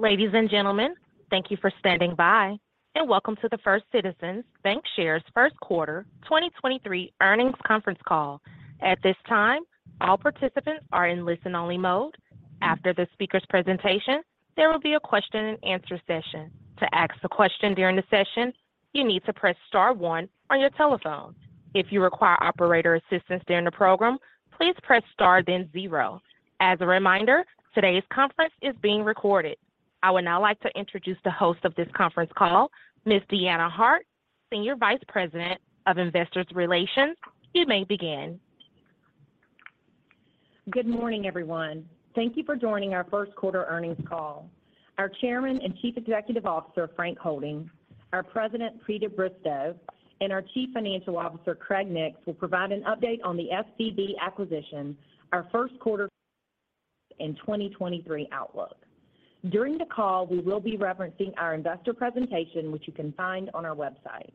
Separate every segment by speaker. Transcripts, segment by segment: Speaker 1: Ladies and gentlemen, thank you for standing by, welcome to the First Citizens BancShares first quarter 2023 earnings conference call. At this time all participants are in listen only mode. After the speaker's presentation, there will be a question and answer session. To ask a question during the session, you need to press star one on your telephone. If you require operator assistance during the program, please press star, then zero. As a reminder, today's conference is being recorded. I would now like to introduce the host of this conference call, Ms. Deanna Hart, Senior Vice President of Investor Relations. You may begin.
Speaker 2: Good morning, everyone. Thank you for joining our first quarter earnings call. Our Chairman and Chief Executive Officer, Frank Holding, our President, Peter Bristow, and our Chief Financial Officer, Craig Nix, will provide an update on the FCB acquisition, our first quarter and 2023 outlook. During the call, we will be referencing our investor presentation, which you can find on our website.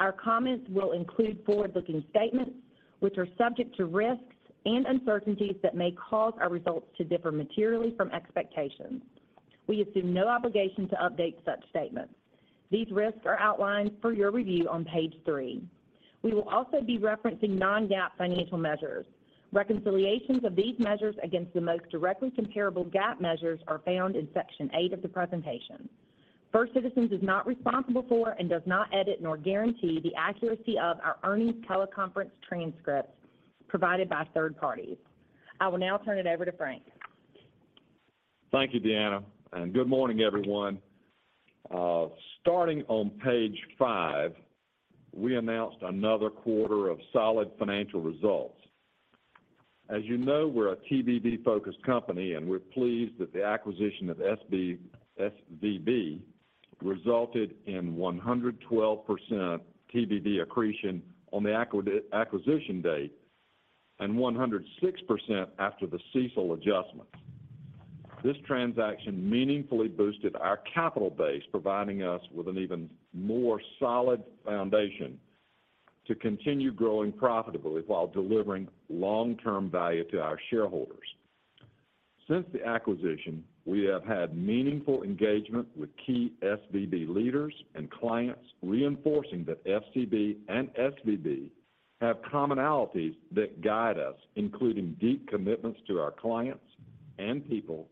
Speaker 2: Our comments will include forward-looking statements, which are subject to risks and uncertainties that may cause our results to differ materially from expectations. We assume no obligation to update such statements. These risks are outlined for your review on Page 3. We will also be referencing non-GAAP financial measures. Reconciliations of these measures against the most directly comparable GAAP measures are found in section 8 of the presentation. First Citizens is not responsible for and does not edit nor guarantee the accuracy of our earnings teleconference transcripts provided by third parties. I will now turn it over to Frank.
Speaker 3: Thank you, Deanna, and good morning, everyone. Starting on Page 5, we announced another quarter of solid financial results. As you know, we're a TBV-focused company, and we're pleased that the acquisition of SVB resulted in 112% TBV accretion on the acquisition date and 106% after the CECL adjustments. This transaction meaningfully boosted our capital base, providing us with an even more solid foundation to continue growing profitably while delivering long-term value to our shareholders. Since the acquisition, we have had meaningful engagement with key SVB leaders and clients, reinforcing that FCB and SVB have commonalities that guide us, including deep commitments to our clients and people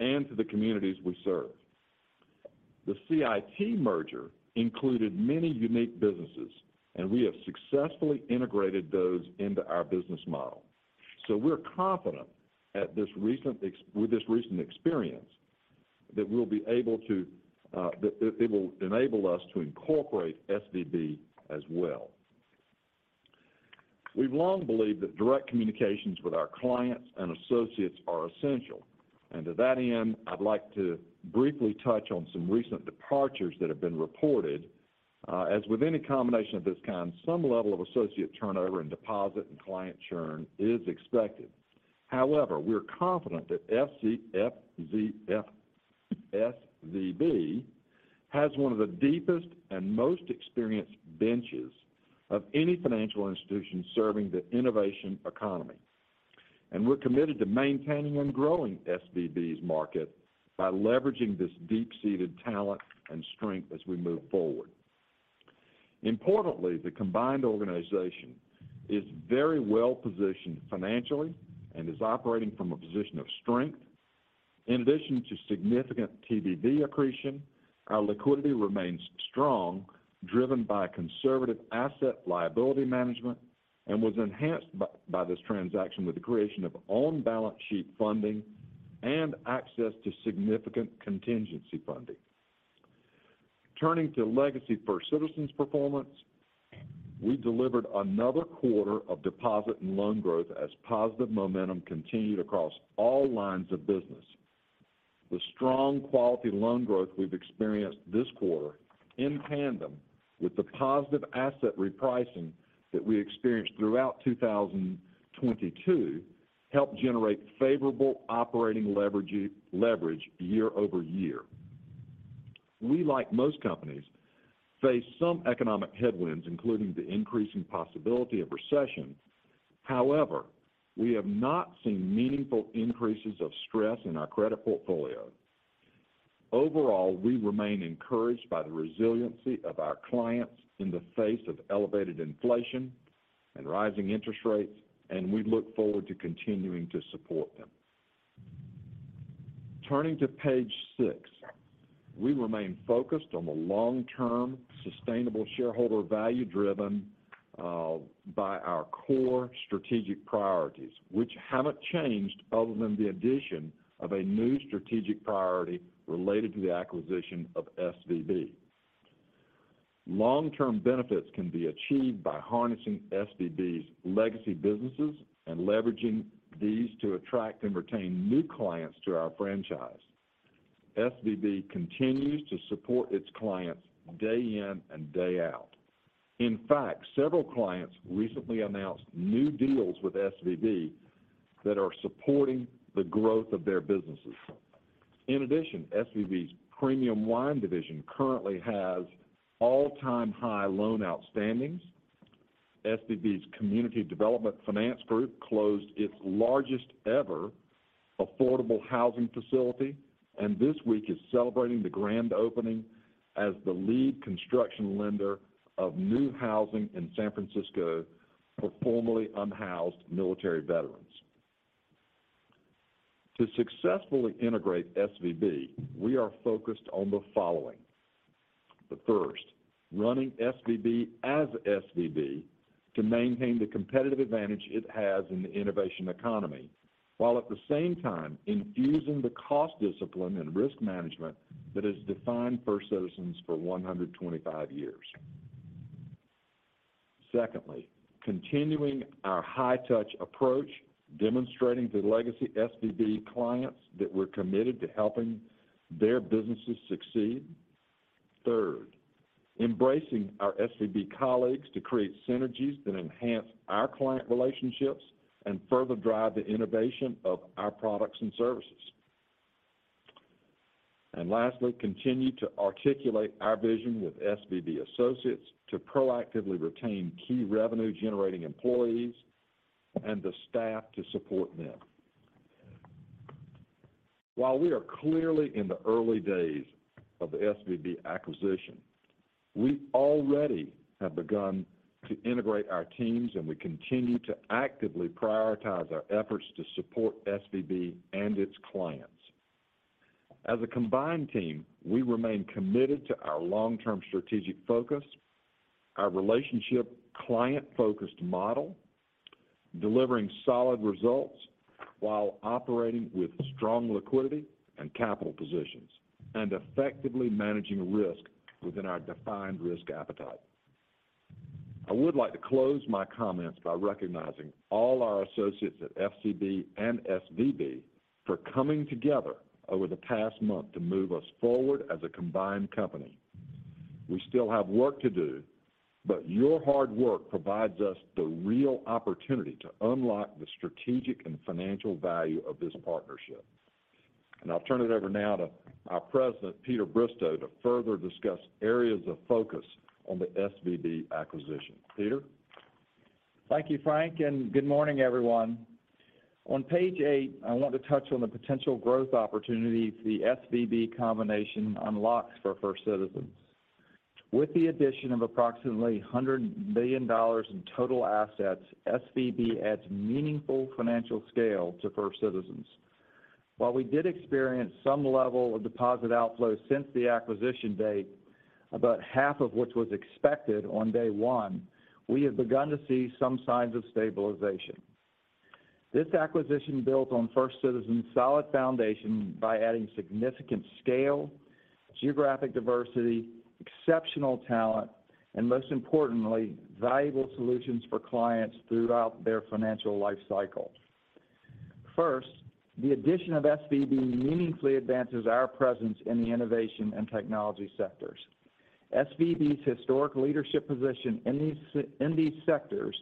Speaker 3: and to the communities we serve. The CIT merger included many unique businesses, and we have successfully integrated those into our business model. We're confident with this recent experience that it will enable us to incorporate SVB as well. We've long believed that direct communications with our clients and associates are essential. To that end, I'd like to briefly touch on some recent departures that have been reported. As with any combination of this kind, some level of associate turnover and deposit and client churn is expected. However, we're confident that SVB has one of the deepest and most experienced benches of any financial institution serving the innovation economy. We're committed to maintaining and growing SVB's market by leveraging this deep-seated talent and strength as we move forward. Importantly, the combined organization is very well positioned financially and is operating from a position of strength. In addition to significant TBV accretion, our liquidity remains strong, driven by conservative asset liability management and was enhanced by this transaction with the creation of on-balance sheet funding and access to significant contingency funding. Turning to legacy First Citizens performance, we delivered another quarter of deposit and loan growth as positive momentum continued across all lines of business. The strong quality loan growth we've experienced this quarter, in tandem with the positive asset repricing that we experienced throughout 2022, helped generate favorable operating leverage year-over-year. We, like most companies, face some economic headwinds, including the increasing possibility of recession. We have not seen meaningful increases of stress in our credit portfolio. We remain encouraged by the resiliency of our clients in the face of elevated inflation and rising interest rates, and we look forward to continuing to support them. Turning to Page 6. We remain focused on the long-term sustainable shareholder value driven by our core strategic priorities, which haven't changed other than the addition of a new strategic priority related to the acquisition of SVB. Long-term benefits can be achieved by harnessing SVB's legacy businesses and leveraging these to attract and retain new clients to our franchise. SVB continues to support its clients day in and day out. In fact, several clients recently announced new deals with SVB that are supporting the growth of their businesses. In addition, SVB's premium wine division currently has all-time high loan outstandings. SVB's community development finance group closed its largest ever affordable housing facility, and this week is celebrating the grand opening as the lead construction lender of new housing in San Francisco for formerly unhoused military veterans. To successfully integrate SVB, we are focused on the following. The first, running SVB as SVB to maintain the competitive advantage it has in the innovation economy, while at the same time infusing the cost discipline and risk management that has defined First Citizens for 125 years. Secondly, continuing our high touch approach, demonstrating to the legacy SVB clients that we're committed to helping their businesses succeed. Third, embracing our SVB colleagues to create synergies that enhance our client relationships and further drive the innovation of our products and services. Lastly, continue to articulate our vision with SVB associates to proactively retain key revenue generating employees and the staff to support them. While we are clearly in the early days of the SVB acquisition, we already have begun to integrate our teams, and we continue to actively prioritize our efforts to support SVB and its clients. As a combined team, we remain committed to our long-term strategic focus, our relationship client-focused model, delivering solid results while operating with strong liquidity and capital positions, and effectively managing risk within our defined risk appetite. I would like to close my comments by recognizing all our associates at FCB and SVB for coming together over the past month to move us forward as a combined company. We still have work to do, but your hard work provides us the real opportunity to unlock the strategic and financial value of this partnership. I'll turn it over now to our President Peter Bristow to further discuss areas of focus on the SVB acquisition. Peter?
Speaker 4: Thank you, Frank. Good morning, everyone. On Page 8, I want to touch on the potential growth opportunities the SVB combination unlocks for First Citizens. With the addition of approximately $100 million in total assets, SVB adds meaningful financial scale to First Citizens. While we did experience some level of deposit outflow since the acquisition date, about half of which was expected on day one, we have begun to see some signs of stabilization. This acquisition built on First Citizens' solid foundation by adding significant scale, geographic diversity, exceptional talent, and most importantly, valuable solutions for clients throughout their financial life cycle. First, the addition of SVB meaningfully advances our presence in the innovation and technology sectors. SVB's historic leadership position in these sectors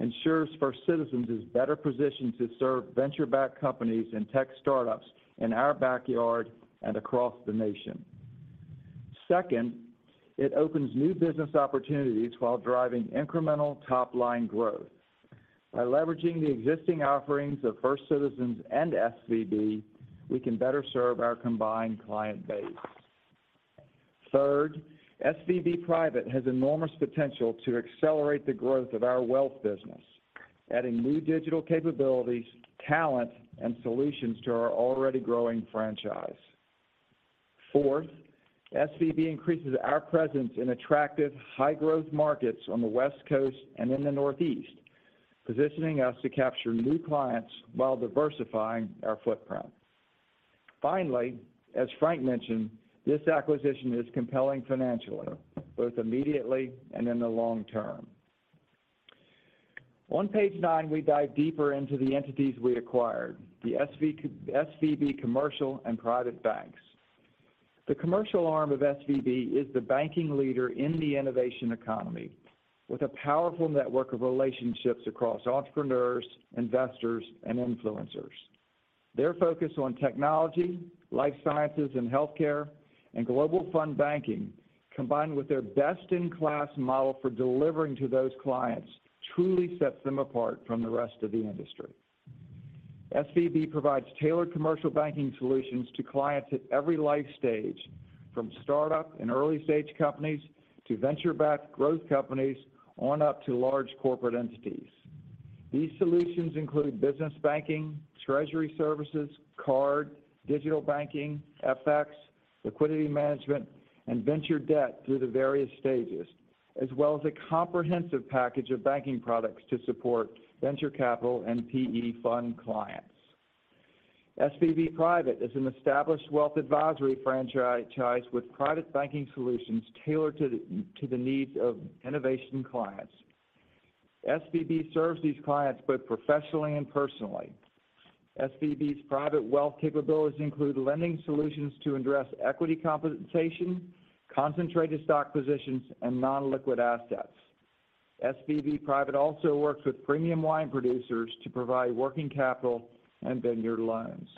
Speaker 4: ensures First Citizens is better positioned to serve venture-backed companies and tech startups in our backyard and across the nation. Second, it opens new business opportunities while driving incremental top-line growth. By leveraging the existing offerings of First Citizens and SVB, we can better serve our combined client base. Third, SVB Private has enormous potential to accelerate the growth of our wealth business, adding new digital capabilities, talent, and solutions to our already growing franchise. Fourth, SVB increases our presence in attractive high-growth markets on the West Coast and in the Northeast, positioning us to capture new clients while diversifying our footprint. Finally, as Frank mentioned, this acquisition is compelling financially, both immediately and in the long term. On Page 9, we dive deeper into the entities we acquired, the SVB commercial and private banks. The commercial arm of SVB is the banking leader in the innovation economy with a powerful network of relationships across entrepreneurs, investors, and influencers. Their focus on technology, life sciences and healthcare, and Global Fund Banking, combined with their best-in-class model for delivering to those clients, truly sets them apart from the rest of the industry. SVB provides tailored commercial banking solutions to clients at every life stage, from startup and early-stage companies to venture-backed growth companies on up to large corporate entities. These solutions include business banking, treasury services, card, digital banking, FX, liquidity management, and venture debt through the various stages, as well as a comprehensive package of banking products to support venture capital and PE fund clients. SVB Private is an established wealth advisory franchise with private banking solutions tailored to the needs of innovation clients. SVB serves these clients both professionally and personally. SVB's private wealth capabilities include lending solutions to address equity compensation, concentrated stock positions, and non-liquid assets. SVB Private also works with premium wine producers to provide working capital and vineyard loans.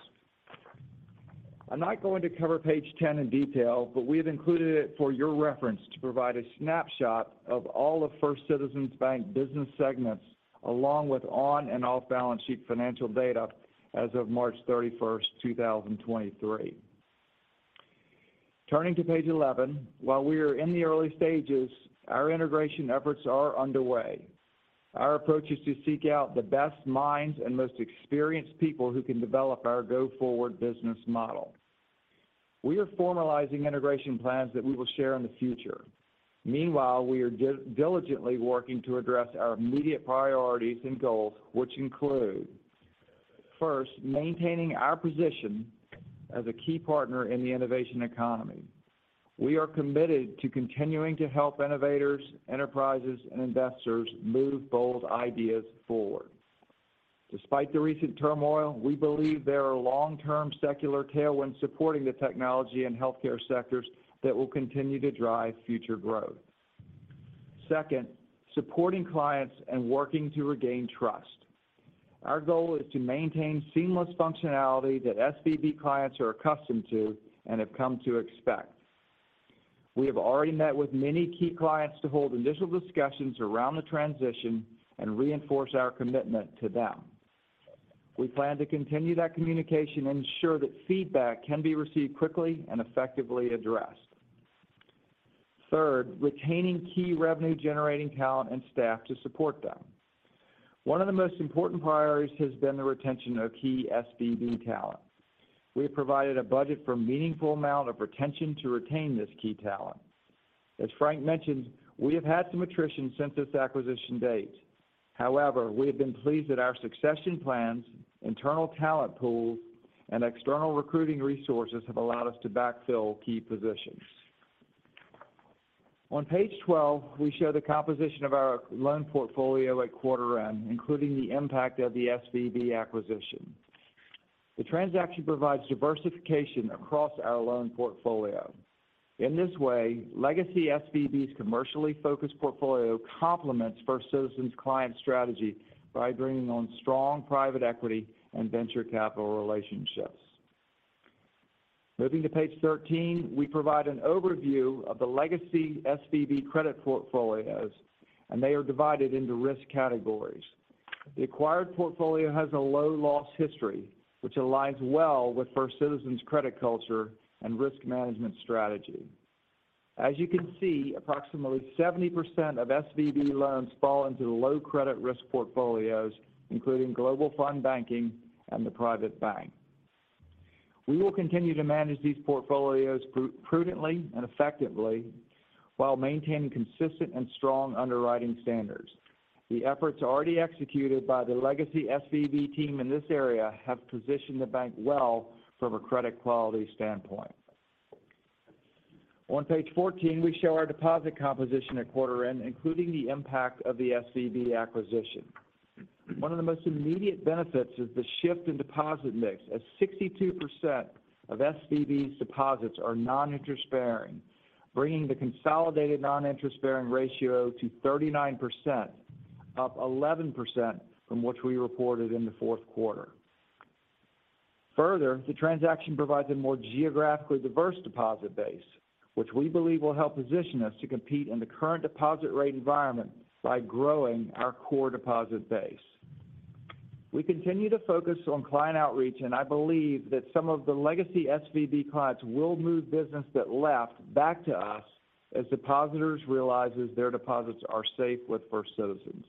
Speaker 4: I'm not going to cover Page 10 in detail. We have included it for your reference to provide a snapshot of all the First Citizens Bank business segments along with on and off balance sheet financial data as of March 31st, 2023. Turning to Page 11. While we are in the early stages, our integration efforts are underway. Our approach is to seek out the best minds and most experienced people who can develop our go-forward business model. We are formalizing integration plans that we will share in the future. Meanwhile, we are diligently working to address our immediate priorities and goals, which include, first, maintaining our position as a key partner in the innovation economy. We are committed to continuing to help innovators, enterprises, and investors move bold ideas forward. Despite the recent turmoil, we believe there are long-term secular tailwinds supporting the technology and healthcare sectors that will continue to drive future growth. Second, supporting clients and working to regain trust. Our goal is to maintain seamless functionality that SVB clients are accustomed to and have come to expect. We have already met with many key clients to hold initial discussions around the transition and reinforce our commitment to them. We plan to continue that communication and ensure that feedback can be received quickly and effectively addressed. Third, retaining key revenue generating talent and staff to support them. One of the most important priorities has been the retention of key SVB talent. We have provided a budget for meaningful amount of retention to retain this key talent. As Frank mentioned, we have had some attrition since this acquisition date. We have been pleased that our succession plans, internal talent pools, and external recruiting resources have allowed us to backfill key positions. On Page 12, we show the composition of our loan portfolio at quarter end, including the impact of the SVB acquisition. The transaction provides diversification across our loan portfolio. In this way, legacy SVB's commercially focused portfolio complements First Citizens client strategy by bringing on strong private equity and venture capital relationships. Moving to Page 13, we provide an overview of the legacy SVB credit portfolios, they are divided into risk categories. The acquired portfolio has a low loss history, which aligns well with First Citizens credit culture and risk management strategy. As you can see, approximately 70% of SVB loans fall into the low credit risk portfolios, including Global Fund Banking and the Private Bank. We will continue to manage these portfolios prudently and effectively while maintaining consistent and strong underwriting standards. The efforts already executed by the legacy SVB team in this area have positioned the bank well from a credit quality standpoint. On Page 14, we show our deposit composition at quarter end, including the impact of the SVB acquisition. One of the most immediate benefits is the shift in deposit mix as 62% of SVB's deposits are non-interest bearing, bringing the consolidated non-interest bearing ratio to 39%, up 11% from what we reported in the fourth quarter. Further, the transaction provides a more geographically diverse deposit base, which we believe will help position us to compete in the current deposit rate environment by growing our core deposit base. We continue to focus on client outreach, and I believe that some of the legacy SVB clients will move business that left back to us as depositors realize their deposits are safe with First Citizens.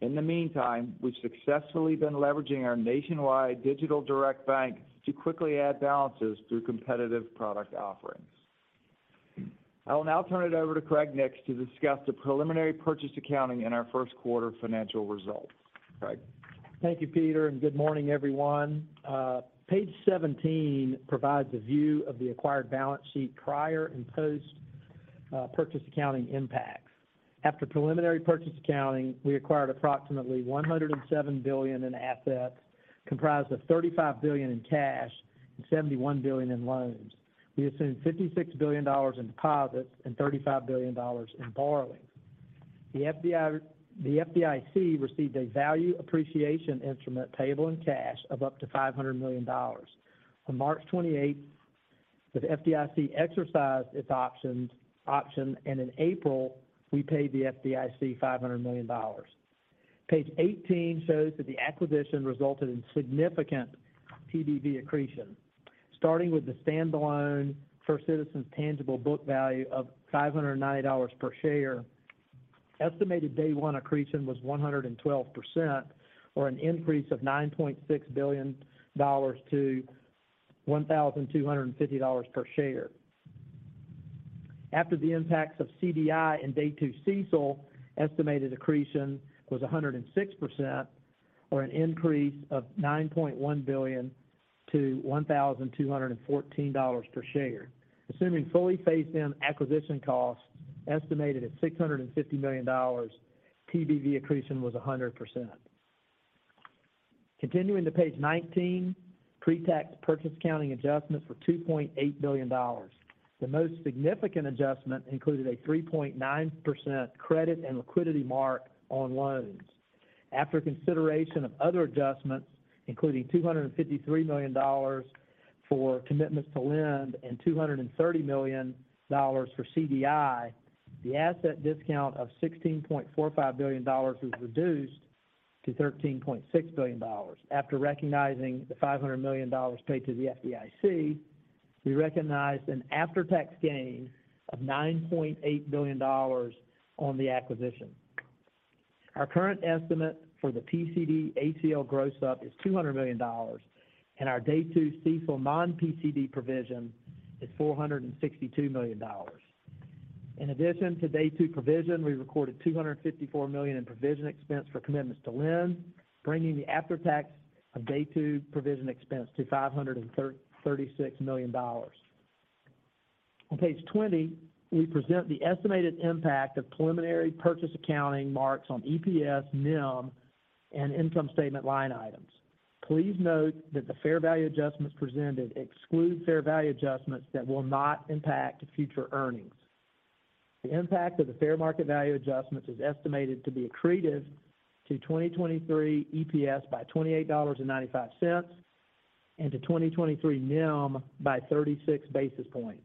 Speaker 4: In the meantime, we've successfully been leveraging our nationwide digital Direct Bank to quickly add balances through competitive product offerings. I will now turn it over to Craig Nix to discuss the preliminary purchase accounting and our first quarter financial results. Craig.
Speaker 5: Thank you, Peter. Good morning, everyone. Page 17 provides a view of the acquired balance sheet prior and post purchase accounting impacts. After preliminary purchase accounting, we acquired approximately $107 billion in assets, comprised of $35 billion in cash and $71 billion in loans. We assumed $56 billion in deposits and $35 billion in borrowings. The FDIC received a value appreciation instrument payable in cash of up to $500 million. On March 28th, the FDIC exercised its option, and in April, we paid the FDIC $500 million. Page 18 shows that the acquisition resulted in significant TBV accretion. Starting with the standalone First Citizens tangible book value of $590 per share. Estimated day one accretion was 112% or an increase of $9.6 billion to $1,250 per share. After the impacts of CDI and day two CECL, estimated accretion was 106% or an increase of $9.1 billion to $1,214 per share. Assuming fully phased in acquisition costs estimated at $650 million, TBV accretion was 100%. Continuing to Page 19, pre-tax purchase accounting adjustments were $2.8 billion. The most significant adjustment included a 3.9% credit and liquidity mark on loans. After consideration of other adjustments, including $253 million for commitments to lend and $230 million for CDI, the asset discount of $16.45 billion was reduced to $13.6 billion. After recognizing the $500 million paid to the FDIC, we recognized an after-tax gain of $9.8 billion on the acquisition. Our current estimate for the PCD ACL gross up is $200 million, and our day two CECL non-PCD provision is $462 million. In addition to day two provision, we recorded $254 million in provision expense for commitments to lend, bringing the after-tax of day two provision expense to $536 million. On Page 20, we present the estimated impact of preliminary purchase accounting marks on EPS, NIM, and income statement line items. Please note that the fair value adjustments presented exclude fair value adjustments that will not impact future earnings. The impact of the fair market value adjustments is estimated to be accretive to 2023 EPS by $28.95 and to 2023 NIM by 36 basis points.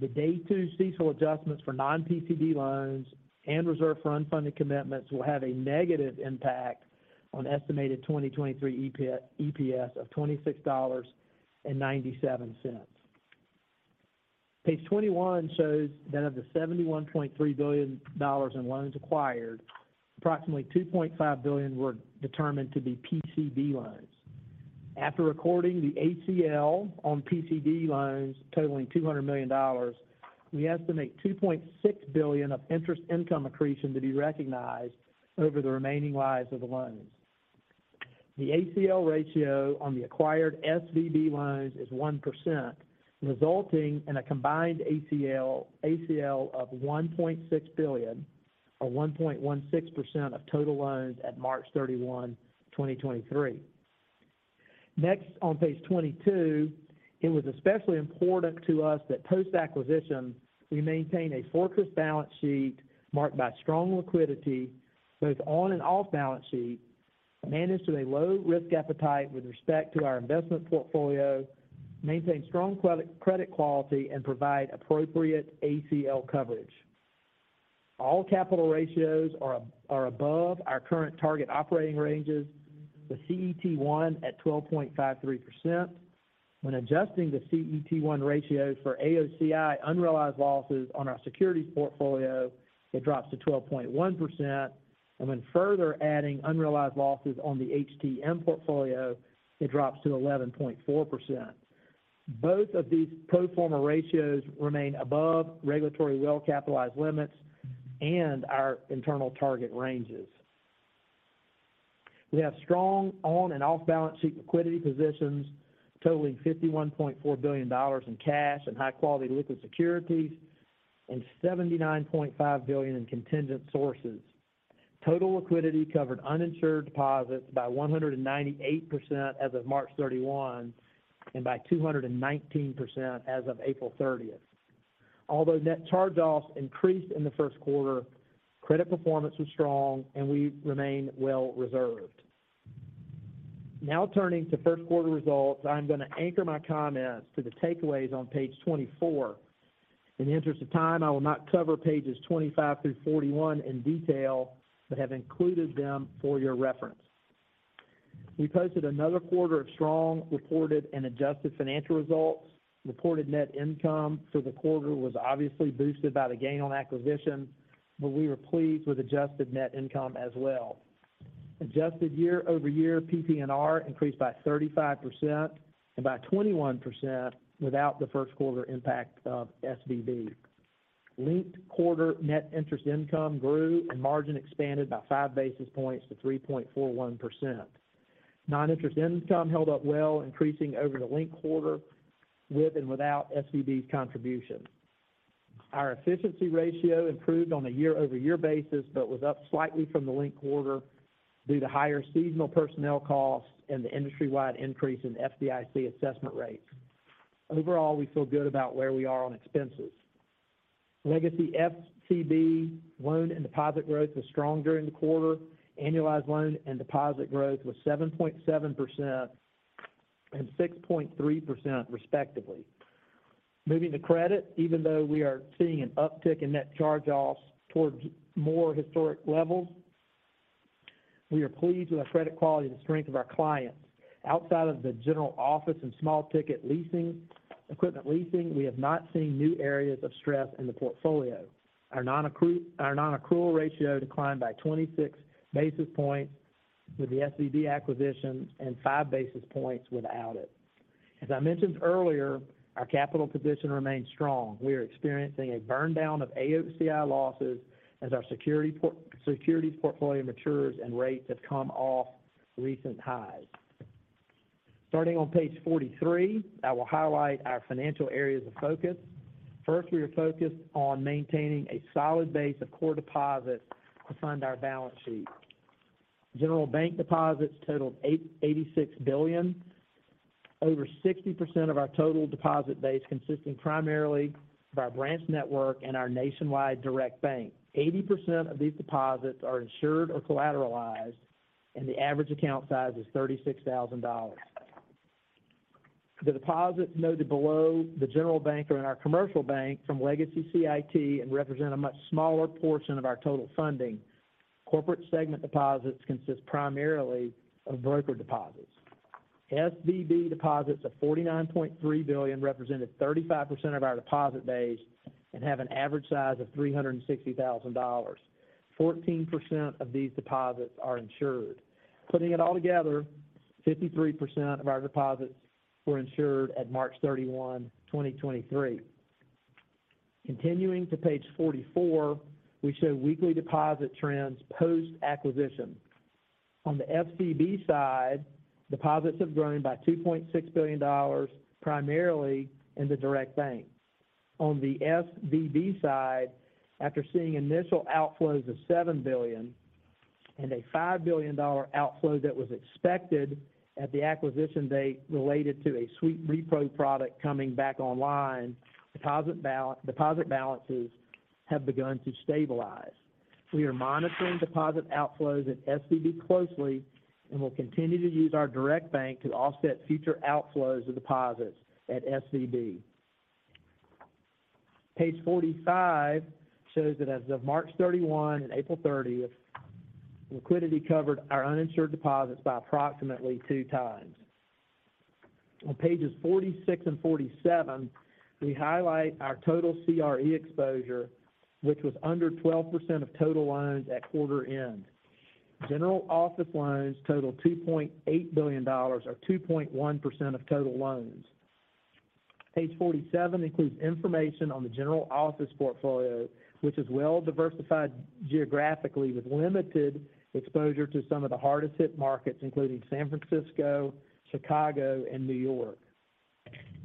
Speaker 5: The day two CECL adjustments for non-PCD loans and reserve for unfunded commitments will have a negative impact on estimated 2023 EPS of $26.97. Page 21 shows that of the $71.3 billion in loans acquired, approximately $2.5 billion were determined to be PCD loans. After recording the ACL on PCD loans totaling $200 million, we estimate $2.6 billion of interest income accretion to be recognized over the remaining lives of the loans. The ACL ratio on the acquired SVB loans is 1%, resulting in a combined ACL of $1.6 billion or 1.16% of total loans at March 31, 2023. On Page 22, it was especially important to us that post-acquisition, we maintain a fortress balance sheet marked by strong liquidity, both on and off balance sheet, manage to a low-risk appetite with respect to our investment portfolio, maintain strong credit quality, and provide appropriate ACL coverage. All capital ratios are above our current target operating ranges, with CET1 at 12.53%. When adjusting the CET1 ratios for AOCI unrealized losses on our securities portfolio, it drops to 12.1%, and when further adding unrealized losses on the HTM portfolio, it drops to 11.4%. Both of these pro forma ratios remain above regulatory well-capitalized limits and our internal target ranges. We have strong on and off-balance sheet liquidity positions totaling $51.4 billion in cash and high-quality liquid securities and $79.5 billion in contingent sources. Total liquidity covered uninsured deposits by 198% as of March 31 and by 219% as of April 30th. Although net charge-offs increased in the first quarter, credit performance was strong, and we remain well reserved. Now turning to first quarter results, I'm going to anchor my comments to the takeaways on Page 24. In the interest of time, I will not cover pages 25 through 41 in detail but have included them for your reference. We posted another quarter of strong reported and adjusted financial results. Reported net income for the quarter was obviously boosted by the gain on acquisition, but we were pleased with adjusted net income as well. Adjusted year-over-year PPNR increased by 35% and by 21% without the first quarter impact of SVB. Linked quarter net interest income grew and margin expanded by 5 basis points to 3.41%. Non-interest income held up well, increasing over the linked quarter with and without SVB's contribution. Overall, our efficiency ratio improved on a year-over-year basis but was up slightly from the linked quarter due to higher seasonal personnel costs and the industry-wide increase in FDIC assessment rates. We feel good about where we are on expenses. Legacy FCB loan and deposit growth was strong during the quarter. Annualized loan and deposit growth was 7.7% and 6.3% respectively. Moving to credit, even though we are seeing an uptick in net charge-offs towards more historic levels, we are pleased with our credit quality and the strength of our clients. Outside of the general office and small ticket leasing, equipment leasing, we have not seen new areas of stress in the portfolio. Our nonaccrual ratio declined by 26 basis points with the SVB acquisition and 5 basis points without it. As I mentioned earlier, our capital position remains strong. We are experiencing a burn down of AOCI losses as our securities portfolio matures and rates have come off recent highs. Starting on Page 43, I will highlight our financial areas of focus. We are focused on maintaining a solid base of core deposits to fund our balance sheet. General bank deposits totaled $86 billion. Over 60% of our total deposit base consisting primarily by branch network and our nationwide Direct Bank. 80% of these deposits are insured or collateralized, and the average account size is $36,000. The deposits noted below the general bank are in our commercial bank from legacy CIT and represent a much smaller portion of our total funding. Corporate segment deposits consist primarily of broker deposits. SVB deposits of $49.3 billion represented 35% of our deposit base and have an average size of $360,000. 14% of these deposits are insured. Putting it all together, 53% of our deposits were insured at March 31, 2023. Continuing to Page 44, we show weekly deposit trends post-acquisition. On the FCB side, deposits have grown by $2.6 billion, primarily in the Direct Bank. On the SVB side, after seeing initial outflows of $7 billion and a $5 billion outflow that was expected at the acquisition date related to a sweep repos product coming back online, deposit balances have begun to stabilize. We are monitoring deposit outflows at SVB closely and will continue to use our Direct Bank to offset future outflows of deposits at SVB. Page 45 shows that as of March 31 and April 30th, liquidity covered our uninsured deposits by approximately 2 times. On Pages 46 and 47, we highlight our total CRE exposure, which was under 12% of total loans at quarter end. General office loans total $2.8 billion or 2.1% of total loans. Page 47 includes information on the general office portfolio, which is well diversified geographically with limited exposure to some of the hardest hit markets, including San Francisco, Chicago, and New York.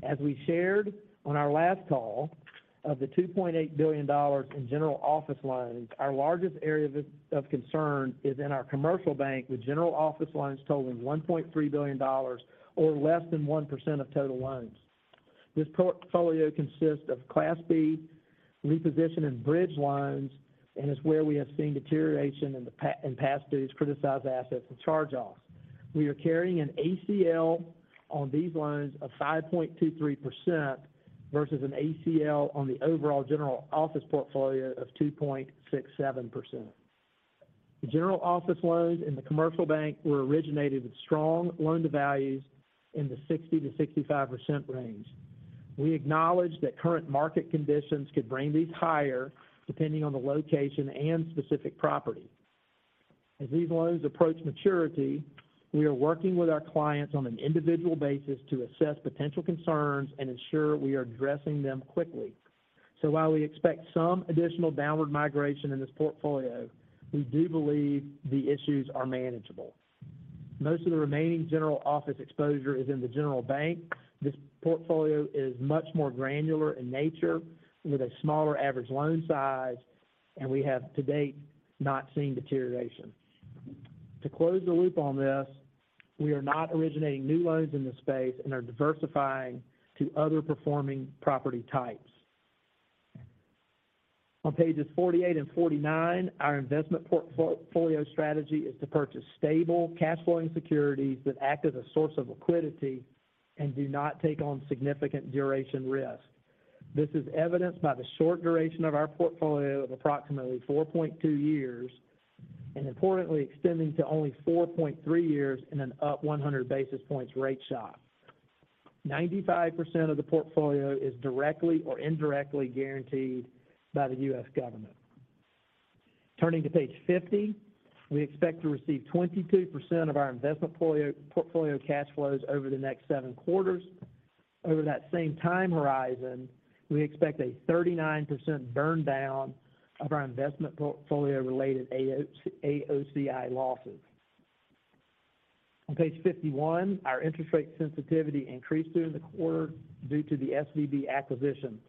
Speaker 5: As we shared on our last call, of the $2.8 billion in general office loans, our largest area of concern is in our commercial bank, with general office loans totaling $1.3 billion or less than 1% of total loans. This portfolio consists of Class B reposition and bridge loans and is where we have seen deterioration in past due criticized assets and charge-offs. We are carrying an ACL on these loans of 5.23% versus an ACL on the overall general office portfolio of 2.67%. The general office loans in the commercial bank were originated with strong loan to values in the 60%-65% range. We acknowledge that current market conditions could bring these higher depending on the location and specific property. As these loans approach maturity, we are working with our clients on an individual basis to assess potential concerns and ensure we are addressing them quickly. While we expect some additional downward migration in this portfolio, we do believe the issues are manageable. Most of the remaining general office exposure is in the general bank. This portfolio is much more granular in nature with a smaller average loan size, and we have to date, not seen deterioration. To close the loop on this, we are not originating new loans in this space and are diversifying to other performing property types. On pages 48 and 49, our investment portfolio strategy is to purchase stable cash flowing securities that act as a source of liquidity and do not take on significant duration risk. This is evidenced by the short duration of our portfolio of approximately 4.2 years, and importantly, extending to only 4.3 years in an up 100 basis points rate shock. 95% of the portfolio is directly or indirectly guaranteed by the U.S. government. Turning to Page 50, we expect to receive 22% of our investment portfolio cash flows over the next seven quarters. Over that same time horizon, we expect a 39% burn down of our investment portfolio-related AOCI losses. On Page 51, our interest rate sensitivity increased during the quarter due to the SVB acquisition.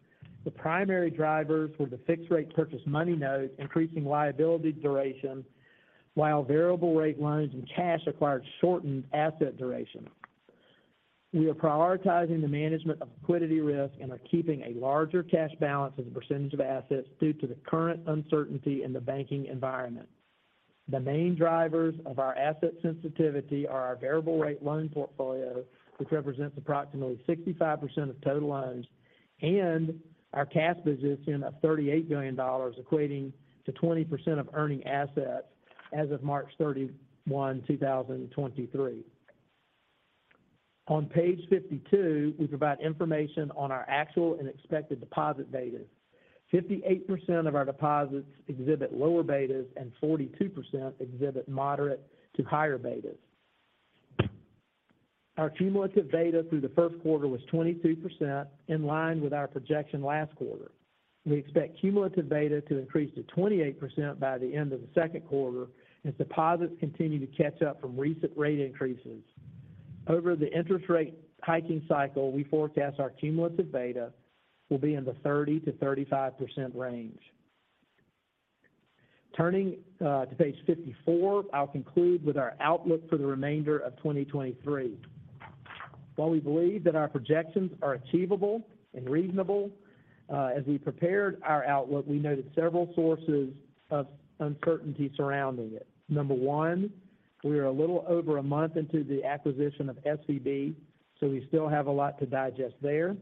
Speaker 5: The primary drivers were the fixed rate Purchase Money Notes increasing liability duration while variable rate loans and cash acquired shortened asset duration. We are prioritizing the management of liquidity risk and are keeping a larger cash balance as a percentage of assets due to the current uncertainty in the banking environment. The main drivers of our asset sensitivity are our variable rate loan portfolio, which represents approximately 65% of total loans, and our cash position of $38 billion, equating to 20% of earning assets as of March 31, 2023. On Page 52, we provide information on our actual and expected deposit betas. 58% of our deposits exhibit lower betas and 42% exhibit moderate to higher betas. Our cumulative beta through the first quarter was 22% in line with our projection last quarter. We expect cumulative beta to increase to 28% by the end of the second quarter as deposits continue to catch up from recent rate increases. Over the interest rate hiking cycle, we forecast our cumulative beta will be in the 30%-35% range. Turning to Page 54, I'll conclude with our outlook for the remainder of 2023. While we believe that our projections are achievable and reasonable, as we prepared our outlook, we noted several sources of uncertainty surrounding it. Number one, we are a little over a month into the acquisition of SVB, so we still have a lot to digest there.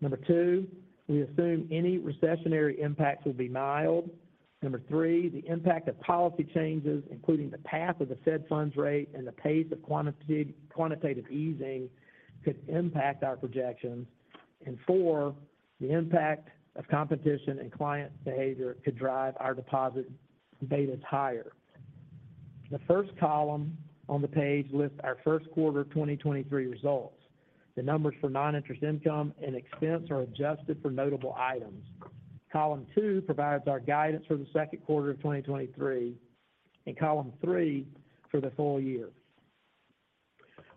Speaker 5: Number two, we assume any recessionary impacts will be mild. Number three, the impact of policy changes, including the path of the Fed funds rate and the pace of quantitative easing could impact our projections. The impact of competition and client behavior could drive our deposit betas higher. The 1st quarter 2023 results. The numbers for non-interest income and expense are adjusted for notable items. Column two provides our guidance for the 2nd quarter of 2023, and column three for the full year.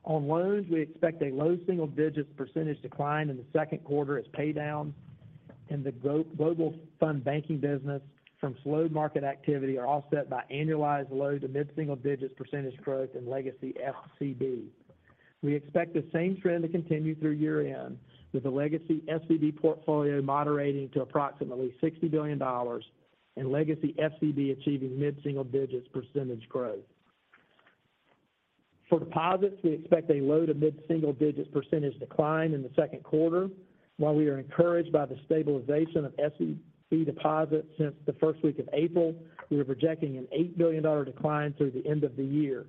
Speaker 5: On loans, we expect a low single-digits percentage decline in the 2nd quarter as pay down in the Global Fund Banking business from slowed market activity are offset by annualized low to mid single-digits percentage growth in legacy FCB. We expect the same trend to continue through year-end with a legacy SVB portfolio moderating to approximately $60 billion and legacy FCB achieving mid single-digit % growth. For deposits, we expect a low to mid single-digit percentage decline in the second quarter. While we are encouraged by the stabilization of SVB deposits since the first week of April, we are projecting an $8 billion decline through the end of the year.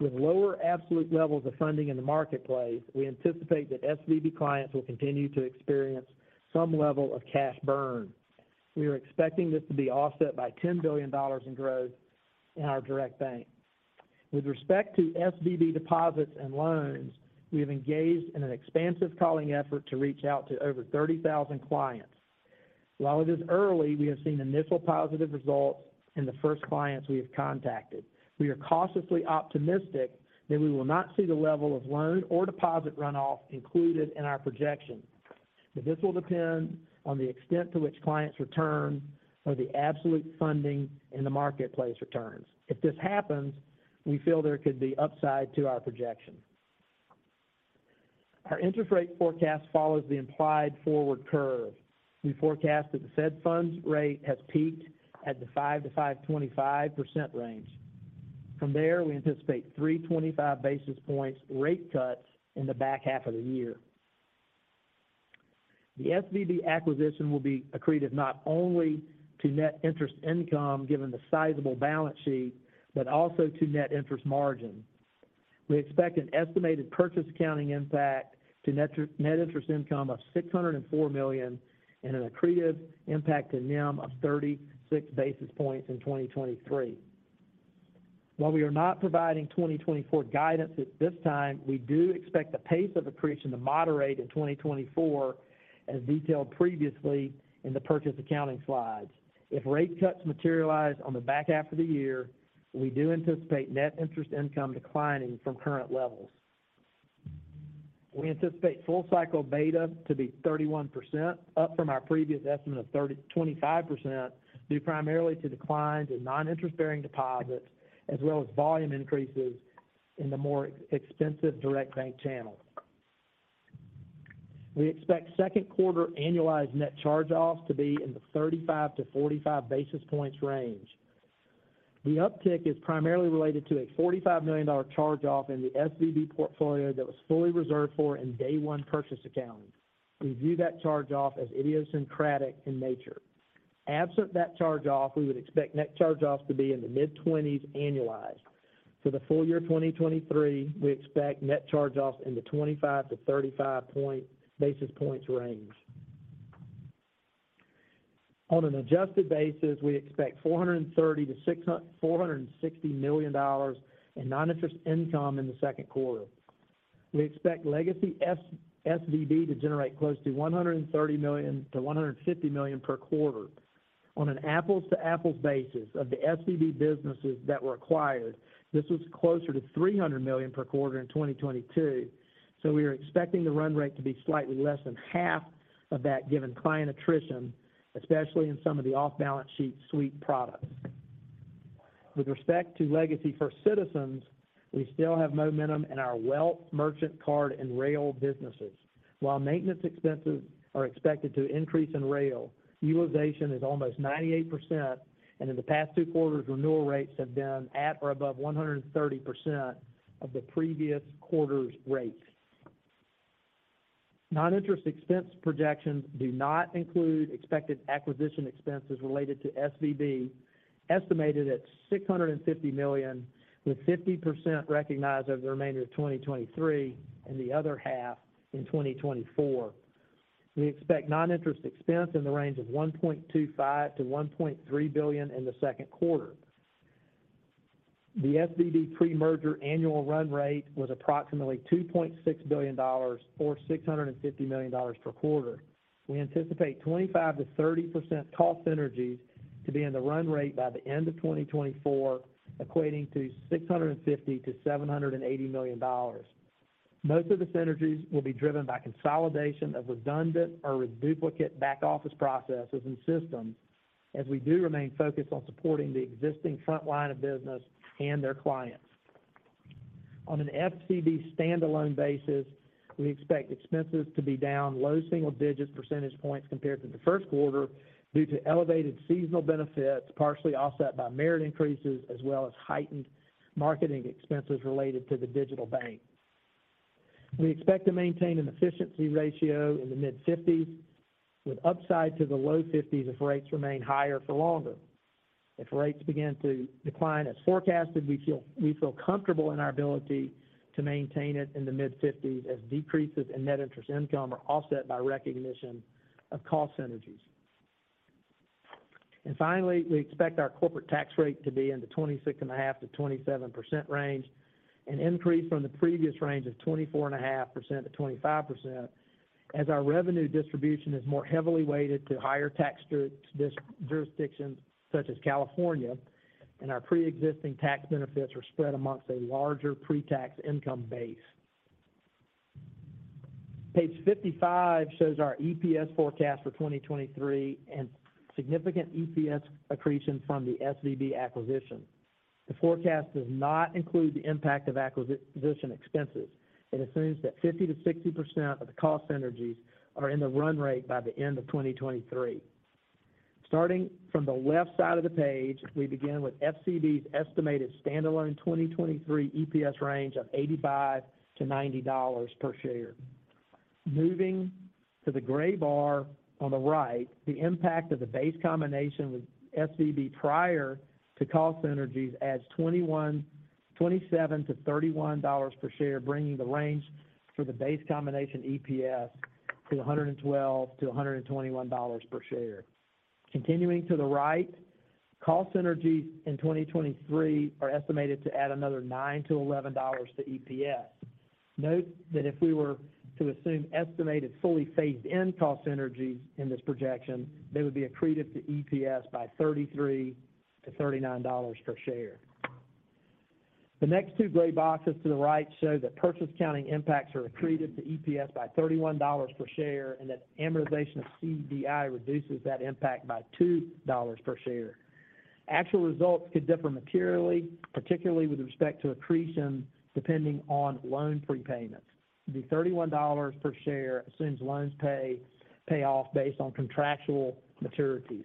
Speaker 5: With lower absolute levels of funding in the marketplace, we anticipate that SVB clients will continue to experience some level of cash burn. We are expecting this to be offset by $10 billion in growth in our Direct Bank. With respect to SVB deposits and loans, we have engaged in an expansive calling effort to reach out to over 30,000 clients. While it is early, we have seen initial positive results in the first clients we have contacted. We are cautiously optimistic that we will not see the level of loan or deposit runoff included in our projection. This will depend on the extent to which clients return or the absolute funding in the marketplace returns. If this happens, we feel there could be upside to our projection. Our interest rate forecast follows the implied forward curve. We forecast that the Fed funds rate has peaked at the 5%-5.25% range. From there, we anticipate 325 basis points rate cuts in the back half of the year. The SVB acquisition will be accretive not only to net interest income given the sizable balance sheet, but also to net interest margin. We expect an estimated purchase accounting impact to net interest income of $604 million and an accretive impact to NIM of 36 basis points in 2023. While we are not providing 2024 guidance at this time, we do expect the pace of accretion to moderate in 2024 as detailed previously in the purchase accounting slides. If rate cuts materialize on the back half of the year, we do anticipate net interest income declining from current levels. We anticipate full cycle beta to be 31% up from our previous estimate of 25% due primarily to declines in non-interest bearing deposits as well as volume increases in the more expensive Direct Bank channels. We expect second quarter annualized net charge-offs to be in the 35-45 basis points range. The uptick is primarily related to a $45 million charge-off in the SVB portfolio that was fully reserved for in day one purchase accounting. We view that charge-off as idiosyncratic in nature. Absent that charge-off, we would expect net charge-offs to be in the mid-20s annualized. For the full year 2023, we expect net charge-offs in the 25-35 basis points range. On an adjusted basis, we expect $430 million-$460 million in non-interest income in the second quarter. We expect legacy SVB to generate close to $130 million-$150 million per quarter. On an apples-to-apples basis of the SVB businesses that were acquired, this was closer to $300 million per quarter in 2022, we are expecting the run rate to be slightly less than half of that given client attrition, especially in some of the off-balance sheet sweep products. With respect to legacy First Citizens, we still have momentum in our wealth merchant card and rail businesses. While maintenance expenses are expected to increase in rail, utilization is almost 98%, and in the past two quarters, renewal rates have been at or above 130% of the previous quarter's rates. Non-interest expense projections do not include expected acquisition expenses related to SVB, estimated at $650 million, with 50% recognized over the remainder of 2023 and the other half in 2024. We expect non-interest expense in the range of $1.25 billion-$1.3 billion in the second quarter. The SVB pre-merger annual run rate was approximately $2.6 billion or $650 million per quarter. We anticipate 25%-30% cost synergies to be in the run rate by the end of 2024, equating to $650 million-$780 million. Most of the synergies will be driven by consolidation of redundant or duplicate back-office processes and systems as we do remain focused on supporting the existing front line of business and their clients. On an FCB standalone basis, we expect expenses to be down low single-digit percentage points compared to the first quarter due to elevated seasonal benefits, partially offset by merit increases as well as heightened marketing expenses related to the digital bank. We expect to maintain an efficiency ratio in the mid-50s with upside to the low 50s if rates remain higher for longer. If rates begin to decline as forecasted, we feel comfortable in our ability to maintain it in the mid-50s as decreases in net interest income are offset by recognition of cost synergies. Finally, we expect our corporate tax rate to be in the 26.5%-27% range, an increase from the previous range of 24.5%-25%, as our revenue distribution is more heavily weighted to higher tax jurisdictions such as California, and our preexisting tax benefits are spread amongst a larger pre-tax income base. Page 55 shows our EPS forecast for 2023 and significant EPS accretion from the SVB acquisition. The forecast does not include the impact of acquisition expenses. It assumes that 50%-60% of the cost synergies are in the run rate by the end of 2023. Starting from the left side of the page, we begin with FCB's estimated standalone 2023 EPS range of $85-$90 per share. Moving to the gray bar on the right, the impact of the base combination with SVB prior to cost synergies adds $27-$31 per share, bringing the range for the base combination EPS to $112-$121 per share. Continuing to the right, cost synergies in 2023 are estimated to add another $9-$11 to EPS. Note that if we were to assume estimated fully phased in cost synergies in this projection, they would be accretive to EPS by $33-$39 per share. The next two gray boxes to the right show that purchase accounting impacts are accretive to EPS by $31 per share, and that amortization of CDI reduces that impact by $2 per share. Actual results could differ materially, particularly with respect to accretion, depending on loan prepayments. The $31 per share assumes loans pay off based on contractual maturities.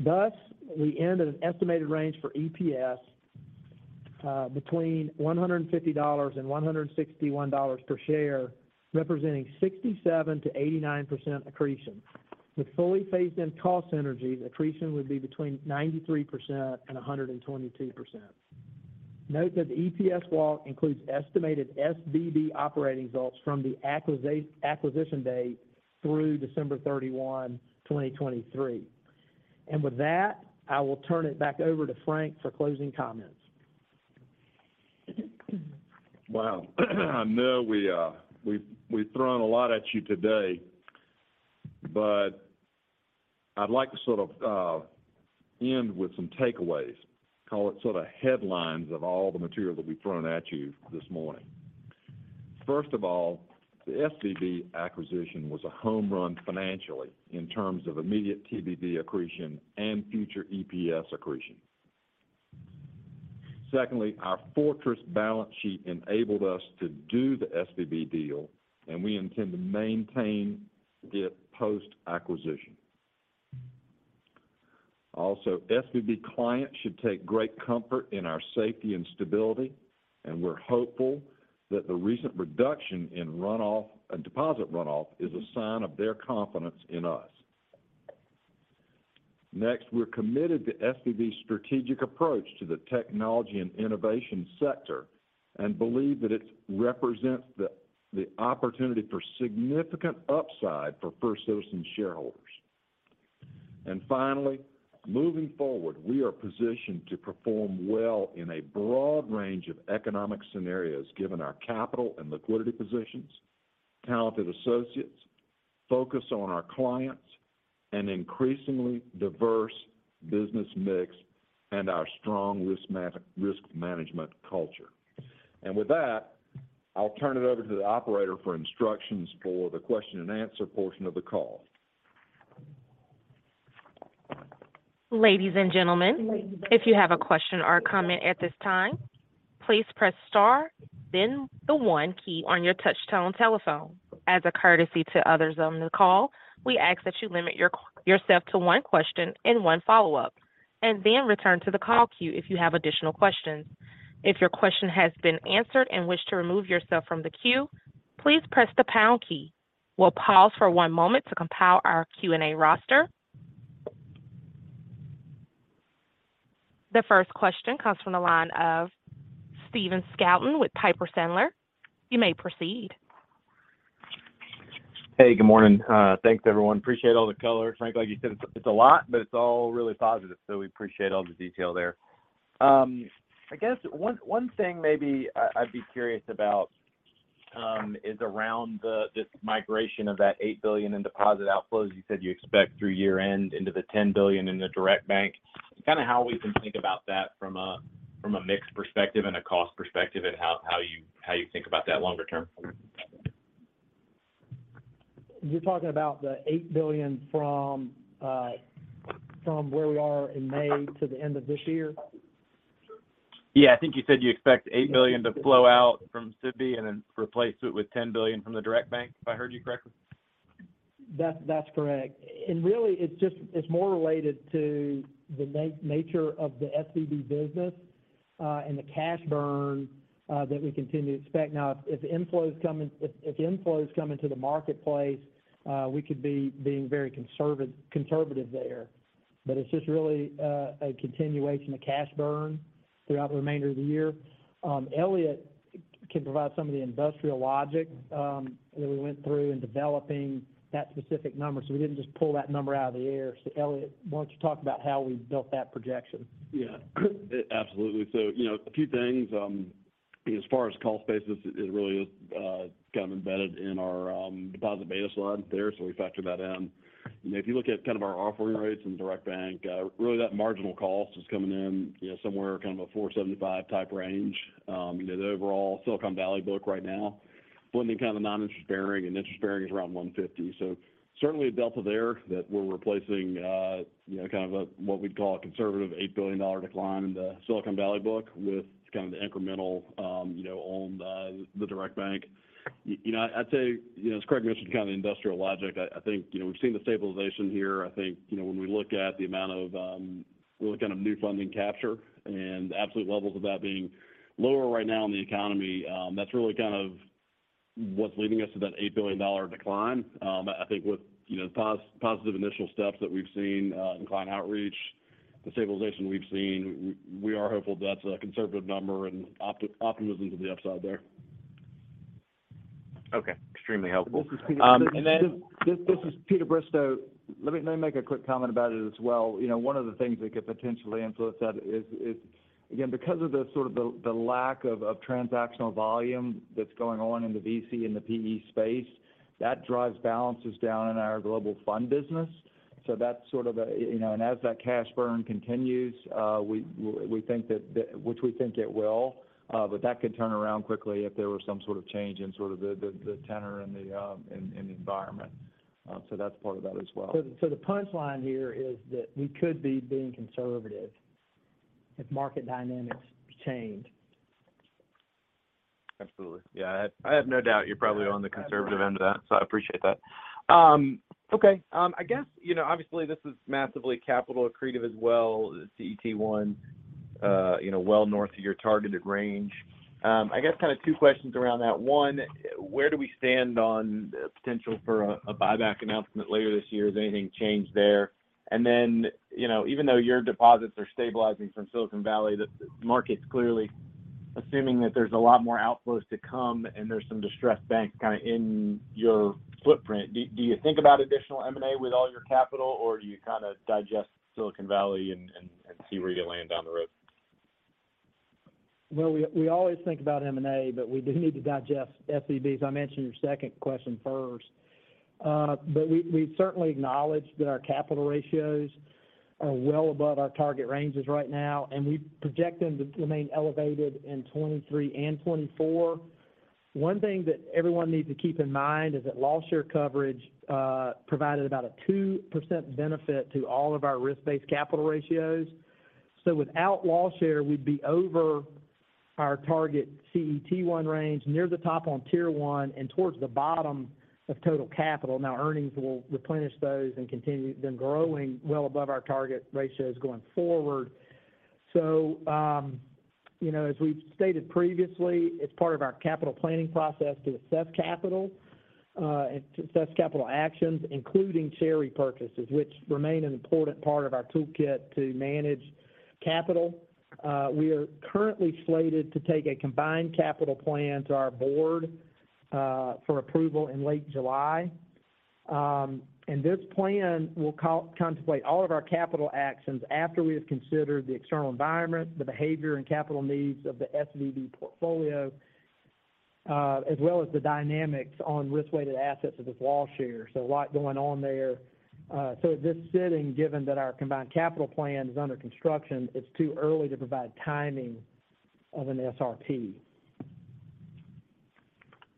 Speaker 5: Thus, we end at an estimated range for EPS between $150 and $161 per share, representing 67%-89% accretion. With fully phased in cost synergies, accretion would be between 93% and 122%. Note that the EPS walk includes estimated SVB operating results from the acquisition date through December 31, 2023. With that, I will turn it back over to Frank for closing comments.
Speaker 3: Wow. I know we've thrown a lot at you today, but I'd like to sort of end with some takeaways. Call it sort of headlines of all the material that we've thrown at you this morning. First of all, the SVB acquisition was a home run financially in terms of immediate TBV accretion and future EPS accretion. Secondly, our fortress balance sheet enabled us to do the SVB deal, and we intend to maintain it post-acquisition. SVB clients should take great comfort in our safety and stability, and we're hopeful that the recent reduction in runoff and deposit runoff is a sign of their confidence in us. We're committed to SVB's strategic approach to the technology and innovation sector and believe that it represents the opportunity for significant upside for First Citizens shareholders. Finally, moving forward, we are positioned to perform well in a broad range of economic scenarios given our capital and liquidity positions, talented associates, focus on our clients, an increasingly diverse business mix, and our strong risk management culture. With that, I'll turn it over to the operator for instructions for the question and answer portion of the call.
Speaker 1: Ladies and gentlemen, if you have a question or a comment at this time, please press star, then the one key on your touchtone telephone. As a courtesy to others on the call, we ask that you limit yourself to one question and one follow-up, and then return to the call queue if you have additional questions. If your question has been answered and wish to remove yourself from the queue, please press the pound key. We'll pause for one moment to compile our Q&A roster. The first question comes from the line of Stephen Scouten with Piper Sandler. You may proceed.
Speaker 6: Hey, good morning. Thanks everyone. Appreciate all the color. Frank, like you said, it's a lot, but it's all really positive, so we appreciate all the detail there. I guess one thing maybe I'd be curious about. is around this migration of that $8 billion in deposit outflows you said you expect through year-end into the $10 billion in the Direct Bank. Kind of how we can think about that from a mix perspective and a cost perspective, and how you think about that longer term?
Speaker 5: You're talking about the $8 billion from where we are in May to the end of this year?
Speaker 6: Yeah. I think you said you expect $8 billion to flow out from SVB replace it with $10 billion from the Direct Bank, if I heard you correctly.
Speaker 5: That's correct. Really, it's more related to the nature of the SVB business, and the cash burn that we continue to expect. Now, if inflows come into the marketplace, we could be being very conservative there. It's just really a continuation of cash burn throughout the remainder of the year. Elliot can provide some of the industrial logic that we went through in developing that specific number. We didn't just pull that number out of the air. Elliot, why don't you talk about how we built that projection?
Speaker 7: Yeah. Absolutely. You know, a few things. As far as call spaces, it really is, kind of embedded in our deposit beta slide there, we factor that in. If you look at kind of our offering rates in the Direct Bank, really that marginal cost is coming in, you know, somewhere kind of a 475 type range. You know, the overall Silicon Valley book right now, blending kind of a non-interest bearing and interest bearing is around 150. Certainly a delta there that we're replacing, you know, kind of a, what we'd call a conservative $8 billion decline in the Silicon Valley book with kind of the incremental, you know, on the Direct Bank. I'd say, you know, as Craig mentioned, kind of the industrial logic, I think, you know, we've seen the stabilization here. I think, you know, when we look at the amount of, when we look at kind of new funding capture and absolute levels of that being lower right now in the economy, that's really kind of what's leading us to that $8 billion decline. I think with, you know, positive initial steps that we've seen in client outreach, the stabilization we've seen, we are hopeful that's a conservative number and optimism to the upside there.
Speaker 6: Okay. Extremely helpful.
Speaker 4: This is Peter-.
Speaker 6: Um, and then-
Speaker 4: This is Peter Bristow. Let me make a quick comment about it as well. You know, one of the things that could potentially influence that is, again, because of the sort of the lack of transactional volume that's going on in the VC and the PE space, that drives balances down in our Global Fund business. That's sort of a, you know. As that cash burn continues, we think that which we think it will, but that could turn around quickly if there was some sort of change in sort of the tenor and the environment. That's part of that as well.
Speaker 5: The punchline here is that we could be being conservative if market dynamics changed.
Speaker 6: Absolutely. I have no doubt you're probably on the conservative end of that, so I appreciate that. Okay. I guess, you know, obviously this is massively capital accretive as well, the CET1, you know, well north of your targeted range. I guess kind of two questions around that. One, where do we stand on potential for a buyback announcement later this year? Has anything changed there? You know, even though your deposits are stabilizing from Silicon Valley, the market's clearly assuming that there's a lot more outflows to come and there's some distressed banks kind of in your footprint. Do you think about additional M&A with all your capital, or do you kind of digest Silicon Valley and see where you land down the road?
Speaker 5: Well, we always think about M&A, but we do need to digest SVB, so I'll answer your second question first. We certainly acknowledge that our capital ratios are well above our target ranges right now, and we project them to remain elevated in 2023 and 2024. One thing that everyone needs to keep in mind is that loss share coverage provided about a 2% benefit to all of our risk-based capital ratios. Without loss share, we'd be over our target CET1 range, near the top on Tier 1 and towards the bottom of total capital. Earnings will replenish those and continue them growing well above our target ratios going forward. you know, as we've stated previously, it's part of our capital planning process to assess capital, and to assess capital actions, including share repurchases, which remain an important part of our toolkit to manage capital. We are currently slated to take a combined capital plan to our board for approval in late July. This plan will contemplate all of our capital actions after we have considered the external environment, the behavior and capital needs of the SVB portfolio, as well as the dynamics on risk-weighted assets of this loss share. A lot going on there. At this sitting, given that our combined capital plan is under construction, it's too early to provide timing of an SRP.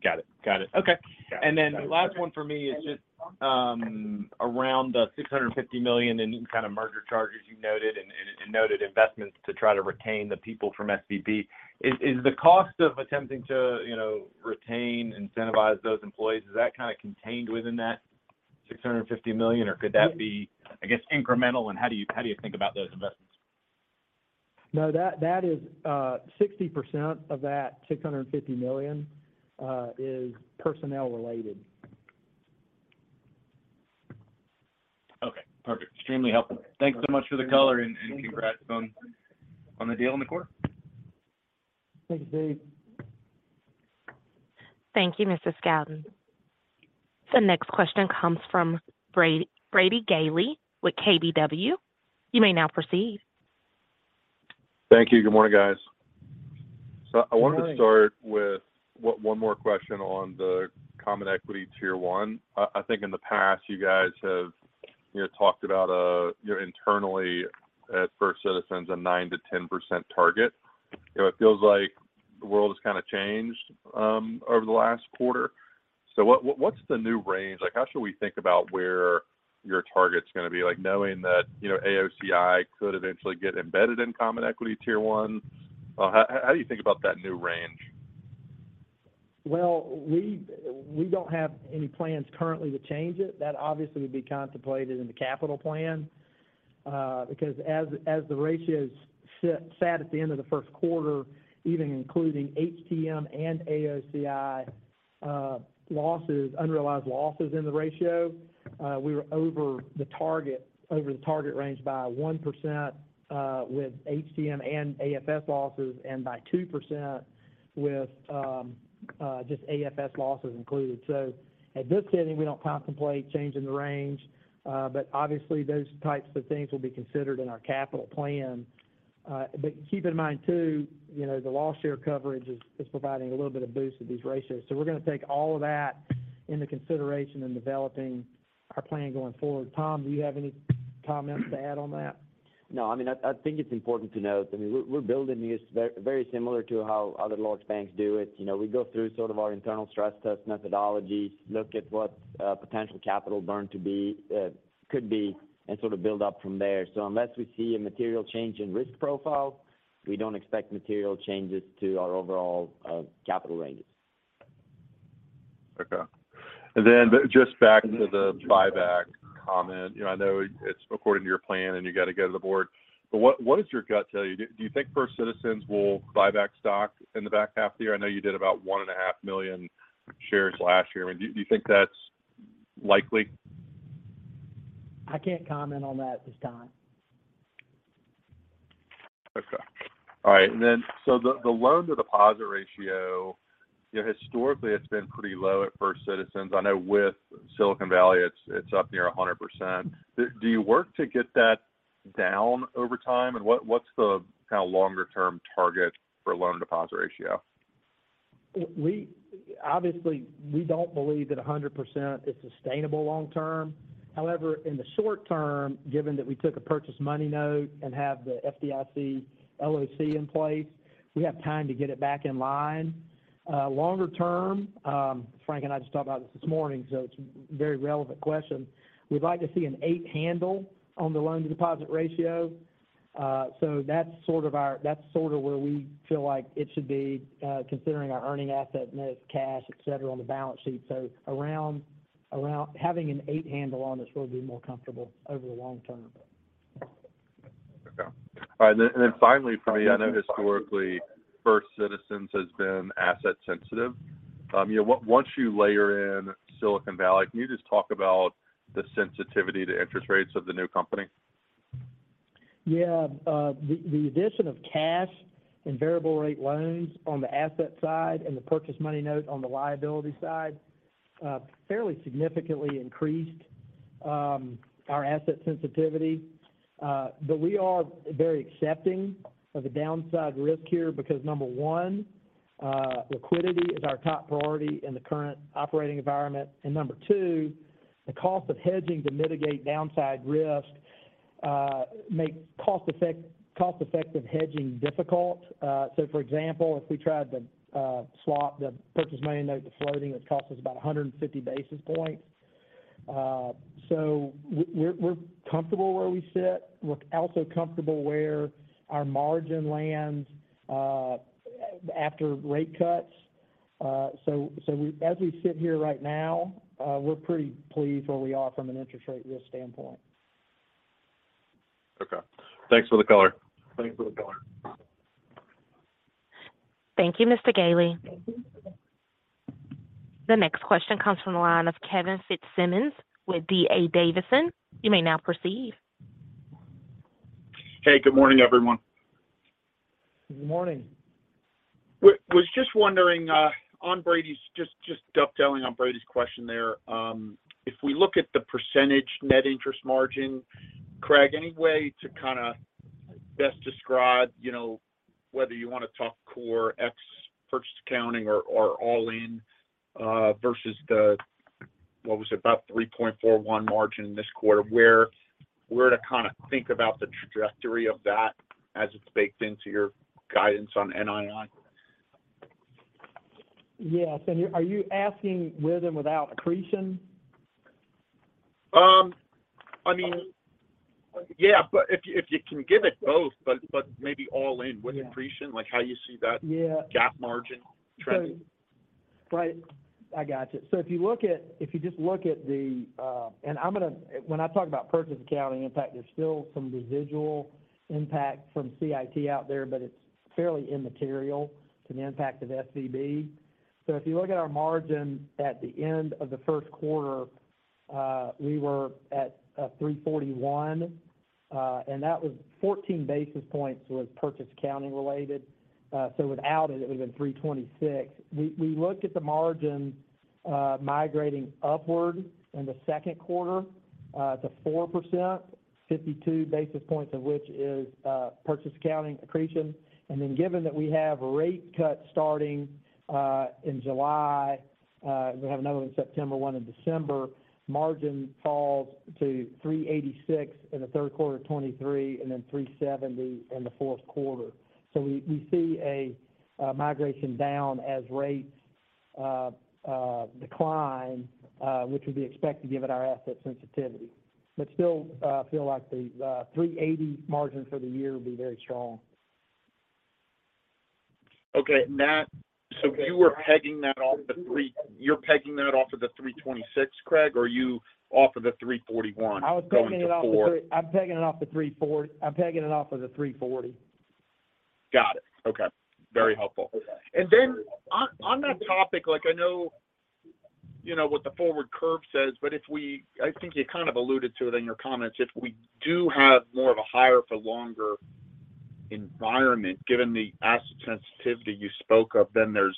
Speaker 6: Got it. Got it. Okay.
Speaker 5: Yeah. Got it.
Speaker 6: Last one for me is just around the $650 million in kind of merger charges you noted and noted investments to try to retain the people from SVB. Is the cost of attempting to, you know, retain, incentivize those employees, is that kind of contained within that $650 million, or could that be, I guess, incremental, and how do you think about those investments?
Speaker 5: No, that is, 60% of that $650 million, is personnel related.
Speaker 6: Okay. Perfect. Extremely helpful. Thanks so much for the color and congrats on the deal in the quarter.
Speaker 5: Thank you, Stephen.
Speaker 1: Thank you, Mr. Scouten. The next question comes from Brady Gailey with KBW. You may now proceed.
Speaker 8: Thank you. Good morning, guys.
Speaker 5: Good morning.
Speaker 8: I wanted to start with one more question on the common equity Tier 1. I think in the past you guys have, you know, talked about, you know, internally at First Citizens a 9%-10% target. You know, it feels like the world has kind of changed over the last quarter. What's the new range? Like, how should we think about where your target's going to be? Like, knowing that, you know, AOCI could eventually get embedded in common equity Tier 1. How do you think about that new range?
Speaker 5: Well, we don't have any plans currently to change it. That obviously would be contemplated in the capital plan, because as the ratios sat at the end of the first quarter, even including HTM and AOCI losses, unrealized losses in the ratio, we were over the target, over the target range by 1%, with HTM and AFS losses, and by 2% with just AFS losses included. At this sitting, we don't contemplate changing the range, obviously those types of things will be considered in our capital plan. Keep in mind too, you know, the loss share coverage is providing a little bit of boost to these ratios. We're going to take all of that into consideration in developing our plan going forward. Tom, do you have any comments to add on that?
Speaker 9: I mean, I think it's important to note, I mean, we're building these very similar to how other large banks do it. You know, we go through sort of our internal stress test methodologies, look at what potential capital burn could be, and sort of build up from there. Unless we see a material change in risk profile, we don't expect material changes to our overall capital ranges.
Speaker 8: Okay. Just back to the buyback comment. You know, I know it's according to your plan and you got to go to the board. What does your gut tell you? Do you think First Citizens will buy back stock in the back half of the year? I know you did about one and a half million shares last year. I mean, do you think that's likely?
Speaker 5: I can't comment on that at this time.
Speaker 8: Okay. All right. The loan-to-deposit ratio, you know, historically it's been pretty low at First Citizens. I know with Silicon Valley, it's up near 100%. Do you work to get that down over time? What's the kind of longer term target for loan-to-deposit ratio?
Speaker 5: Obviously, we don't believe that 100% is sustainable long term. However, in the short term, given that we took a Purchase Money Note and have the FDIC LOC in place, we have time to get it back in line. Longer term, Frank and I just talked about this this morning. It's a very relevant question. We'd like to see an 8 handle on the loan-to-deposit ratio. That's sort of our that's sort of where we feel like it should be, considering our earning asset net cash, et cetera, on the balance sheet. Around having an 8 handle on this, we'll be more comfortable over the long term.
Speaker 8: Okay. All right. Finally for me, I know historically First Citizens has been asset sensitive. You know, once you layer in Silicon Valley, can you just talk about the sensitivity to interest rates of the new company?
Speaker 5: Yeah. The addition of cash and variable rate loans on the asset side and the Purchase Money Note on the liability side, fairly significantly increased our asset sensitivity. We are very accepting of the downside risk here because number one, liquidity is our top priority in the current operating environment. Number two, the cost of hedging to mitigate downside risk, make cost-effective hedging difficult. For example, if we tried to swap the Purchase Money Note to floating, it would cost us about 150 basis points. We're comfortable where we sit. We're also comfortable where our margin lands after rate cuts. As we sit here right now, we're pretty pleased where we are from an interest rate risk standpoint.
Speaker 8: Okay. Thanks for the color.
Speaker 1: Thank you, Mr. Gailey. The next question comes from the line of Kevin Fitzsimmons with D.A. Davidson. You may now proceed.
Speaker 10: Hey, good morning, everyone.
Speaker 5: Good morning.
Speaker 10: Was just wondering, on Brady's just dovetailing on Brady's question there. If we look at the percentage net interest margin, Craig, any way to kind of best describe, you know, whether you want to talk core X versus accounting or all in, versus the, what was it? About 3.41% margin this quarter. Where to kind of think about the trajectory of that as it's baked into your guidance on NII?
Speaker 5: Yes. Are you asking with or without accretion?
Speaker 10: I mean, yeah. If you can give it both, but maybe.
Speaker 5: Yeah.
Speaker 10: with accretion, like how you see that.
Speaker 5: Yeah.
Speaker 10: gap margin trending?
Speaker 5: Right. I got you. If you just look at the, when I talk about purchase accounting impact, there's still some residual impact from CIT out there, but it's fairly immaterial to the impact of SVB. If you look at our margin at the end of the first quarter, we were at 341, and that was 14 basis points was purchase accounting related. Without it would have been 326. We looked at the margin migrating upward in the second quarter, to 4%, 52 basis points of which is purchase accounting accretion. Given that we have a rate cut starting, in July, we have another one in September, one in December, margin falls to 3.86 in the third quarter of 2023 and then 3.70 in the fourth quarter. We see a migration down as rates decline, which would be expected given our asset sensitivity. Still, feel like the 3.80 margin for the year will be very strong.
Speaker 10: Okay. You are pegging that off of the 326, Craig, or are you off of the 341 going to 4?
Speaker 5: I'm pegging it off of the 3.40.
Speaker 10: Got it. Okay. Very helpful. Then on that topic, like I know you know what the forward curve says, but I think you kind of alluded to it in your comments. If we do have more of a higher for longer environment, given the asset sensitivity you spoke of, then there's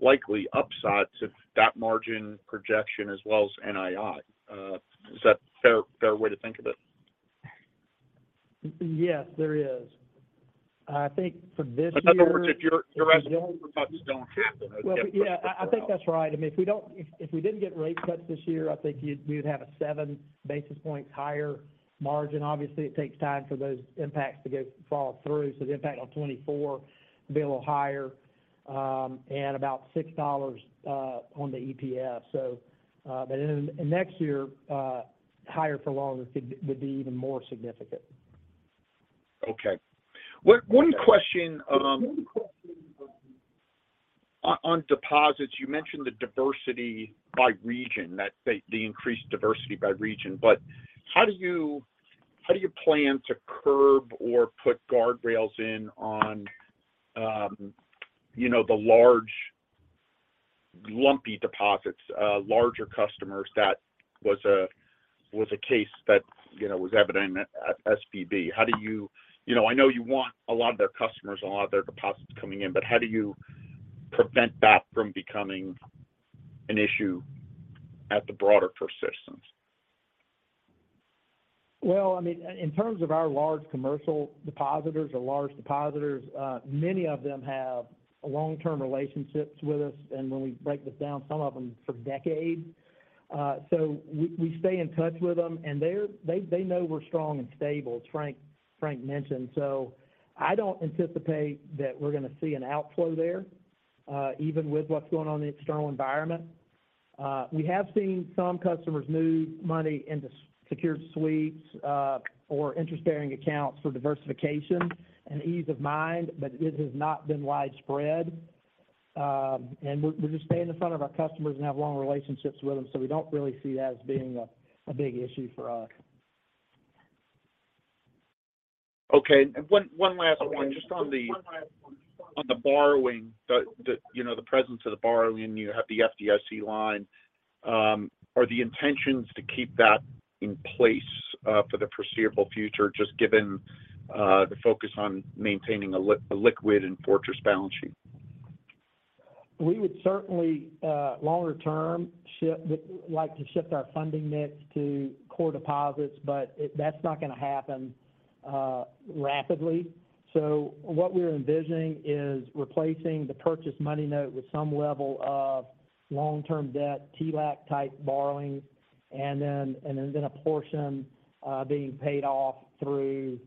Speaker 10: likely upsides of that margin projection as well as NII. Is that a fair way to think of it?
Speaker 5: Yes, there is. I think.
Speaker 10: In other words, if your asset cuts don't happen.
Speaker 5: Well, yeah, I think that's right. I mean, if we didn't get rate cuts this year, I think we would have a 7 basis points higher margin. Obviously, it takes time for those impacts to follow through. The impact on 2024 be a little higher, and about $6 on the EPS. Next year, higher for longer would be even more significant.
Speaker 10: Okay. One question on deposits. You mentioned the diversity by region, that the increased diversity by region. How do you plan to curb or put guardrails in on, you know, the large lumpy deposits, larger customers that was a case that, you know, was evident at SVB? How do you? You know, I know you want a lot of their customers and a lot of their deposits coming in, but how do you prevent that from becoming an issue at the broader First Citizens?
Speaker 5: Well, I mean, in terms of our large commercial depositors or large depositors, many of them have long-term relationships with us, and when we break this down, some of them for decades. We stay in touch with them and they know we're strong and stable, as Frank mentioned. I don't anticipate that we're gonna see an outflow there, even with what's going on in the external environment. We have seen some customers move money into secured sweeps, or interest-bearing accounts for diversification and ease of mind, but it has not been widespread. We just stay in the front of our customers and have long relationships with them, we don't really see that as being a big issue for us.
Speaker 10: Okay. One last one just on the, on the borrowing. The, you know, the presence of the borrowing, you have the FDIC line. Are the intentions to keep that in place for the foreseeable future, just given the focus on maintaining a liquid and fortress balance sheet?
Speaker 5: We would certainly, longer term, like to shift our funding mix to core deposits, but that's not gonna happen rapidly. What we're envisioning is replacing the Purchase Money Note with some level of long-term debt, TLAC-type borrowing, and then a portion being paid off through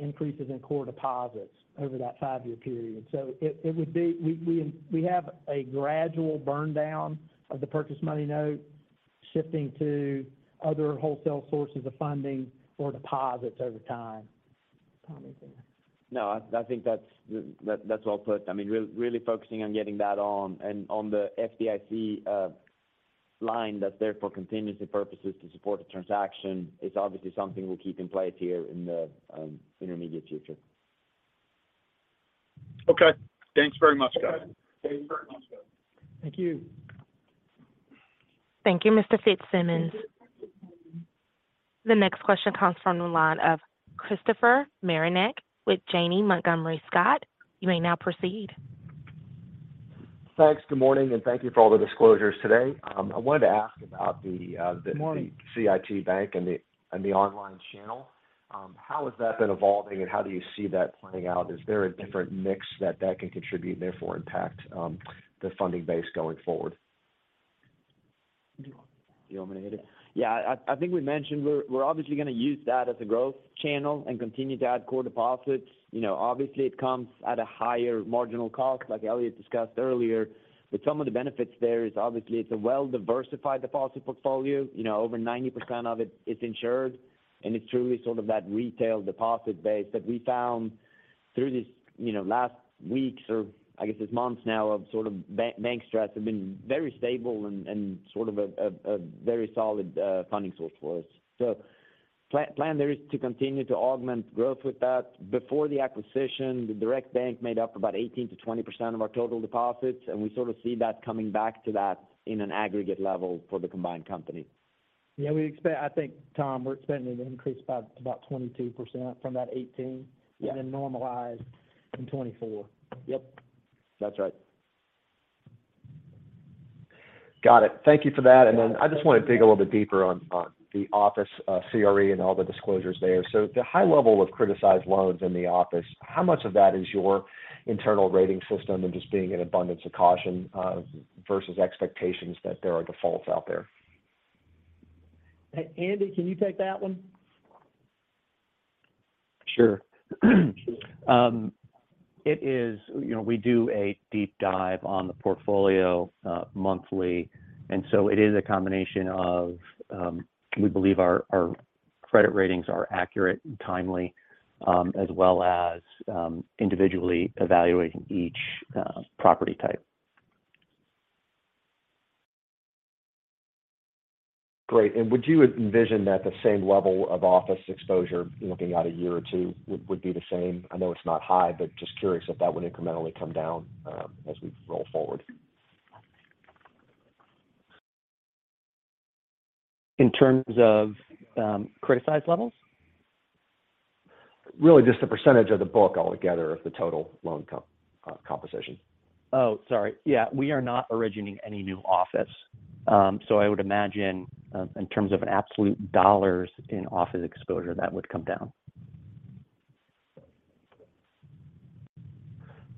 Speaker 5: increases in core deposits over that five-year period. It would be. We have a gradual burn down of the Purchase Money Note shifting to other wholesale sources of funding for deposits over time. Tommy, anything to add?
Speaker 9: No, I think that's well put. I mean, really focusing on getting that on. On the FDIC line that's there for contingency purposes to support the transaction is obviously something we'll keep in place here in the intermediate future.
Speaker 10: Okay. Thanks very much, guys.
Speaker 5: Thank you.
Speaker 1: Thank you, Mr. Fitzsimmons. The next question comes from the line of Christopher Marinac with Janney Montgomery Scott. You may now proceed.
Speaker 11: Thanks. Good morning. Thank you for all the disclosures today. I wanted to ask about the.
Speaker 9: Good morning....
Speaker 11: the CIT Bank and the online channel. How has that been evolving, and how do you see that playing out? Is there a different mix that that can contribute, therefore impact, the funding base going forward?
Speaker 9: Do you want me to take that? Do you want me to hit it? Yeah. I think we mentioned we're obviously gonna use that as a growth channel and continue to add core deposits. You know, obviously it comes at a higher marginal cost, like Elliot discussed earlier. Some of the benefits there is obviously it's a well-diversified deposit portfolio. You know, over 90% of it is insured, and it's truly sort of that retail deposit base that we found through this, you know, last weeks or I guess it's months now of sort of bank stress have been very stable and sort of a very solid funding source for us. Plan there is to continue to augment growth with that. Before the acquisition, the Direct Bank made up about 18%-20% of our total deposits. I sort of see that coming back to that in an aggregate level for the combined company. Yeah, I think, Tom, we're expecting it to increase by about 22%.
Speaker 5: Yeah
Speaker 9: Normalize in 2024.
Speaker 5: Yep, that's right.
Speaker 11: Got it. Thank you for that. I just want to dig a little bit deeper on the office, CRE and all the disclosures there. The high level of criticized loans in the office, how much of that is your internal rating system and just being an abundance of caution versus expectations that there are defaults out there?
Speaker 5: Andy, can you take that one?
Speaker 9: Sure. You know, we do a deep dive on the portfolio monthly. It is a combination of, we believe our credit ratings are accurate and timely, as well as, individually evaluating each property type.
Speaker 11: Great. Would you envision that the same level of office exposure looking out a year or two would be the same? I know it's not high, but just curious if that would incrementally come down as we roll forward.
Speaker 9: In terms of, criticized levels?
Speaker 11: Really just the percentage of the book altogether of the total loan composition.
Speaker 9: Oh, sorry. Yeah, we are not originating any new office. I would imagine, in terms of absolute dollars in office exposure, that would come down.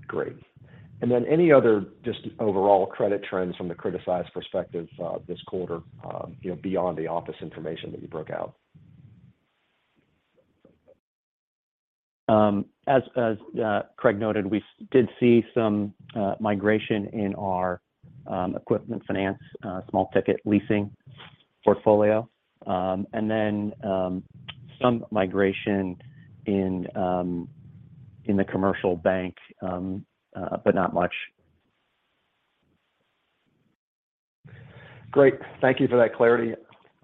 Speaker 11: Great. Any other just overall credit trends from the criticized perspective, this quarter, you know, beyond the office information that you broke out?
Speaker 9: As Craig noted, we did see some migration in our equipment finance, small ticket leasing portfolio. Some migration in the commercial bank, but not much.
Speaker 11: Great. Thank you for that clarity.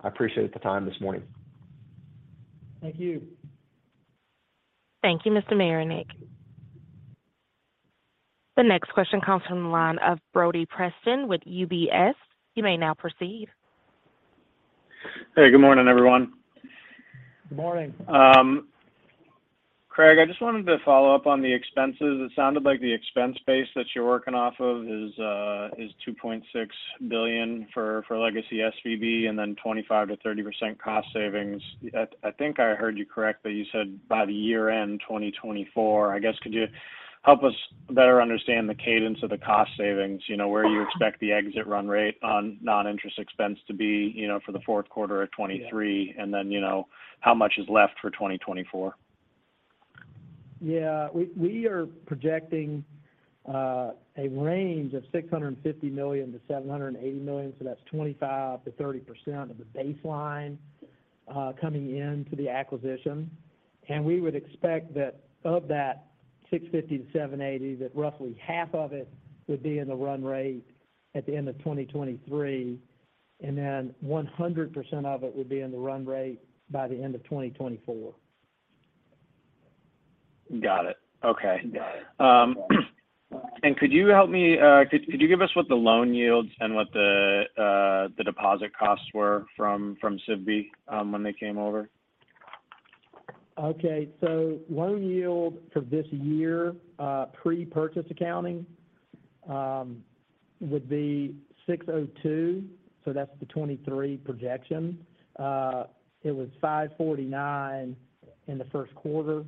Speaker 11: I appreciate the time this morning.
Speaker 5: Thank you.
Speaker 1: Thank you, Mr. Marinac. The next question comes from the line of Brody Preston with UBS. You may now proceed.
Speaker 12: Hey, good morning, everyone.
Speaker 5: Good morning.
Speaker 12: Craig, I just wanted to follow up on the expenses. It sounded like the expense base that you're working off of is $2.6 billion for legacy SVB and then 25%-30% cost savings. I think I heard you correctly, you said by the year end 2024. I guess, could you help us better understand the cadence of the cost savings? You know, where you expect the exit run rate on non-interest expense to be, you know, for the fourth quarter 2023?
Speaker 5: Yeah
Speaker 12: you know, how much is left for 2024?
Speaker 5: Yeah. We are projecting a range of $650 million-$780 million, so that's 25%-30% of the baseline coming into the acquisition. We would expect that of that $650-$780, that roughly half of it would be in the run rate at the end of 2023, and then 100% of it would be in the run rate by the end of 2024.
Speaker 12: Got it. Okay.
Speaker 5: Got it.
Speaker 12: Could you give us what the loan yields and what the deposit costs were from SIVB when they came over?
Speaker 5: Okay. Loan yield for this year, pre-purchase accounting, would be 6.02%, that's the 2023 projection. It was 5.49% in the first quarter.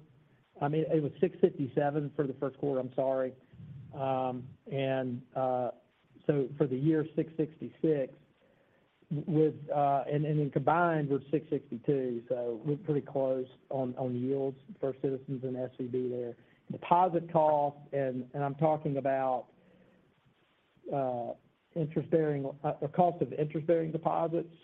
Speaker 5: I mean, it was 6.57% for the first quarter, I'm sorry. For the year, 6.66%. Combined with 6.62%, we're pretty close on yields for Citizens and SVB there. Deposit cost, I'm talking about interest-bearing or cost of interest-bearing deposits.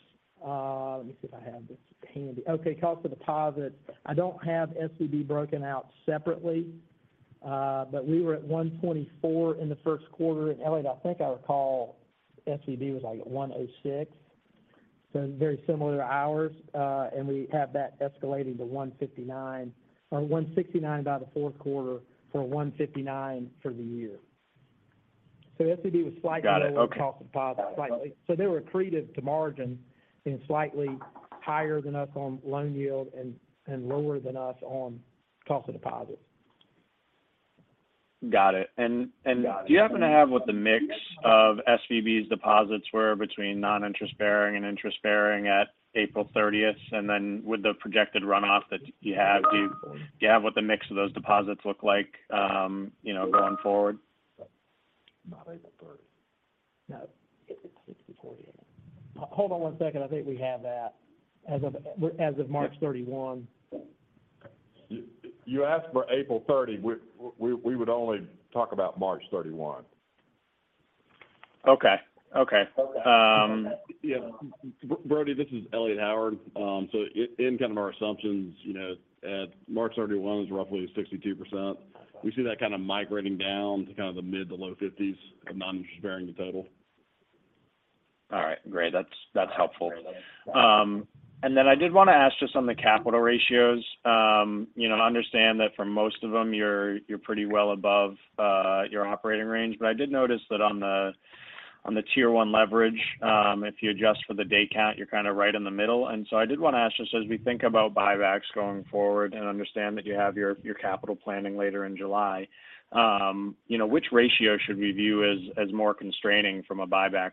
Speaker 5: Let me see if I have this handy. Okay, cost of deposit. I don't have SVB broken out separately, but we were at 1.24% in the first quarter. Elliot, I think I recall SVB was like at 1.06%. Very similar to ours, and we have that escalating to 159 or 169 by the fourth quarter for 159 for the year. SVB was slightly lower.
Speaker 12: Got it. Okay.
Speaker 5: cost of deposit, slightly. They were accretive to margin and slightly higher than us on loan yield and lower than us on cost of deposit.
Speaker 12: Got it. Do you happen to have what the mix of SVB's deposits were between non-interest bearing and interest bearing at April thirtieth? With the projected runoff that you have, do you have what the mix of those deposits look like, you know, going forward?
Speaker 9: Not April 30th. No. It's 60/40 anyway.
Speaker 5: Hold on one second. I think we have that. As of March 31.
Speaker 9: You asked for April 30. We would only talk about March 31.
Speaker 12: Okay. Okay.
Speaker 5: Yeah.
Speaker 7: Brody, this is Elliot Howard. In kind of our assumptions, you know, at March 31 was roughly 62%. We see that kind of migrating down to kind of the mid-to-low 50s of non-interest bearing the total.
Speaker 12: All right, great. That's, that's helpful. I did wanna ask just on the capital ratios. You know, I understand that for most of them you're pretty well above your operating range. I did notice that on the, on the tier one leverage, if you adjust for the day count, you're kind of right in the middle. I did wanna ask, just as we think about buybacks going forward and understand that you have your capital planning later in July, you know, which ratio should we view as more constraining from a buyback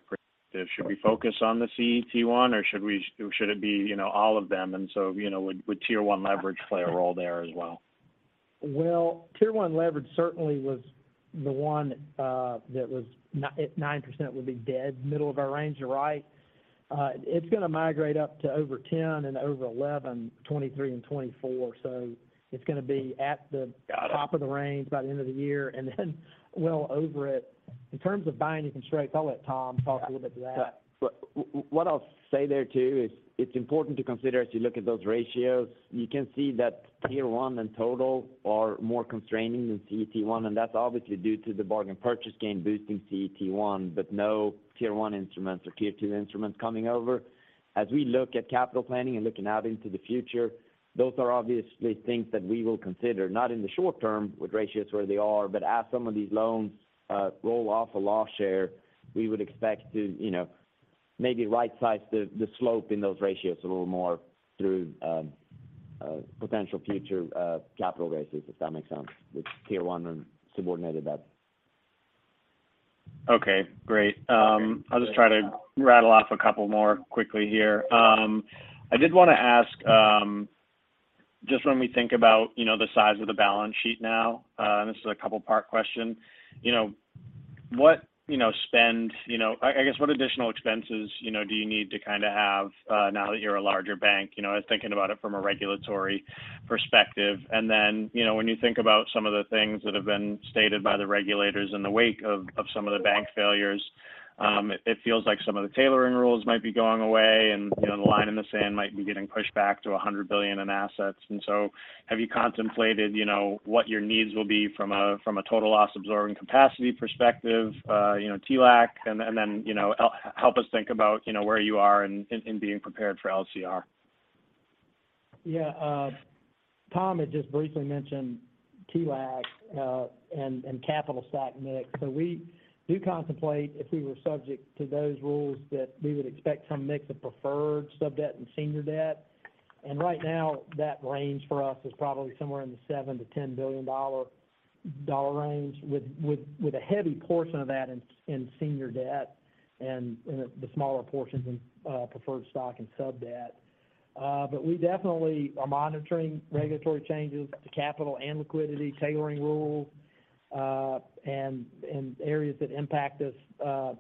Speaker 12: perspective? Should we focus on the CET1 or should it be, you know, all of them? You know, would tier one leverage play a role there as well?
Speaker 5: Tier 1 leverage certainly was the one that was at 9% would be dead middle of our range, you're right. It's gonna migrate up to over 10 and over 11, 2023 and 2024. It's gonna be at the-
Speaker 12: Got it....
Speaker 5: top of the range by the end of the year, and then well over it. In terms of buying constraints, I'll let Tom talk a little bit to that.
Speaker 9: Yeah. What I'll say there too is it's important to consider as you look at those ratios, you can see that tier one and total are more constraining than CET1, and that's obviously due to the bargain purchase gain boosting CET1. No tier one instruments or tier two instruments coming over. As we look at capital planning and looking out into the future, those are obviously things that we will consider, not in the short term with ratios where they are, but as some of these loans, roll off of loss share, we would expect to, you know, maybe right size the slope in those ratios a little more through, potential future, capital raises, if that makes sense, with tier one and subordinated debt.
Speaker 12: Okay, great. I'll just try to rattle off a couple more quickly here. I did wanna ask, just when we think about, you know, the size of the balance sheet now, and this is a couple part question. You know, I guess what additional expenses, you know, do you need to kind of have, now that you're a larger bank? You know, I was thinking about it from a regulatory perspective. You know, when you think about some of the things that have been stated by the regulators in the wake of some of the bank failures, it feels like some of the tailoring rules might be going away and, you know, the line in the sand might be getting pushed back to $100 billion in assets. Have you contemplated, you know, what your needs will be from a, from a total loss absorbing capacity perspective, you know, TLAC? You know, help us think about, you know, where you are in being prepared for LCR.
Speaker 5: Tom had just briefly mentioned TLAC and capital stock mix. We do contemplate if we were subject to those rules that we would expect some mix of preferred sub debt and senior debt. Right now that range for us is probably somewhere in the $7 billion-$10 billion range with a heavy portion of that in senior debt and the smaller portions in preferred stock and sub debt. But we definitely are monitoring regulatory changes to capital and liquidity tailoring rules and areas that impact us.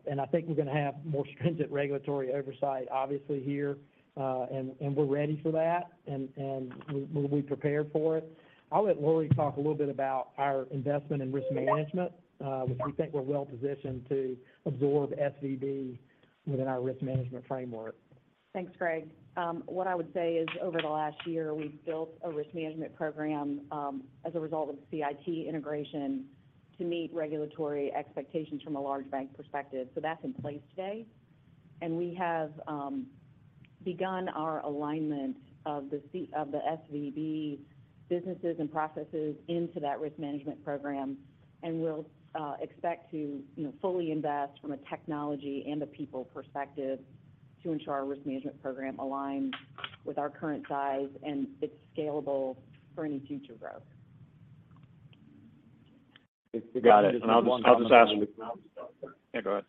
Speaker 5: And I think we're gonna have more stringent regulatory oversight obviously here. And we're ready for that. And we'll be prepared for it. I'll let Lori talk a little bit about our investment and risk management, which we think we're well-positioned to absorb SVB within our risk management framework.
Speaker 9: Thanks, Greg. What I would say is over the last year, we've built a risk management program as a result of the CIT integration to meet regulatory expectations from a large bank perspective. That's in place today. We have begun our alignment of the SVB businesses and processes into that risk management program. We'll expect to, you know, fully invest from a technology and a people perspective to ensure our risk management program aligns with our current size and it's scalable for any future growth.
Speaker 12: Got it. I'll just ask. Yeah, go ahead.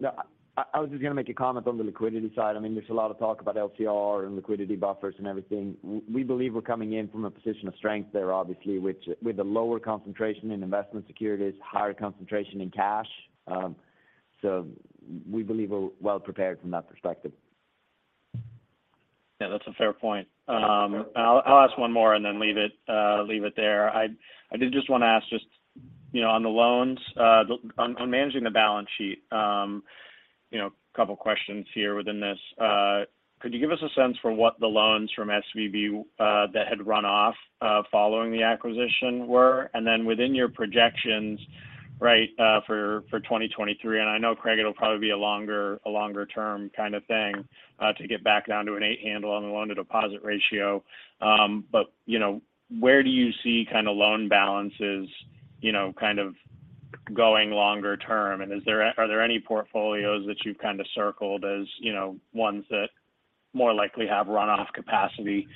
Speaker 9: No, I was just gonna make a comment on the liquidity side. I mean, there's a lot of talk about LCR and liquidity buffers and everything. We believe we're coming in from a position of strength there, obviously, which with a lower concentration in investment securities, higher concentration in cash. We believe we're well prepared from that perspective.
Speaker 12: Yeah, that's a fair point. I'll ask one more and then leave it there. I did just want to ask just, you know, on the loans, on managing the balance sheet, you know, a couple questions here within this. Could you give us a sense for what the loans from SVB that had run off following the acquisition were? Then within your projections, right, for 2023, and I know Craig it'll probably be a longer term kind of thing, to get back down to an 8 handle on the loan to deposit ratio. You know, where do you see kind of loan balances, you know, kind of going longer term? Are there any portfolios that you've kind of circled as, you know, ones that more likely have runoff capacity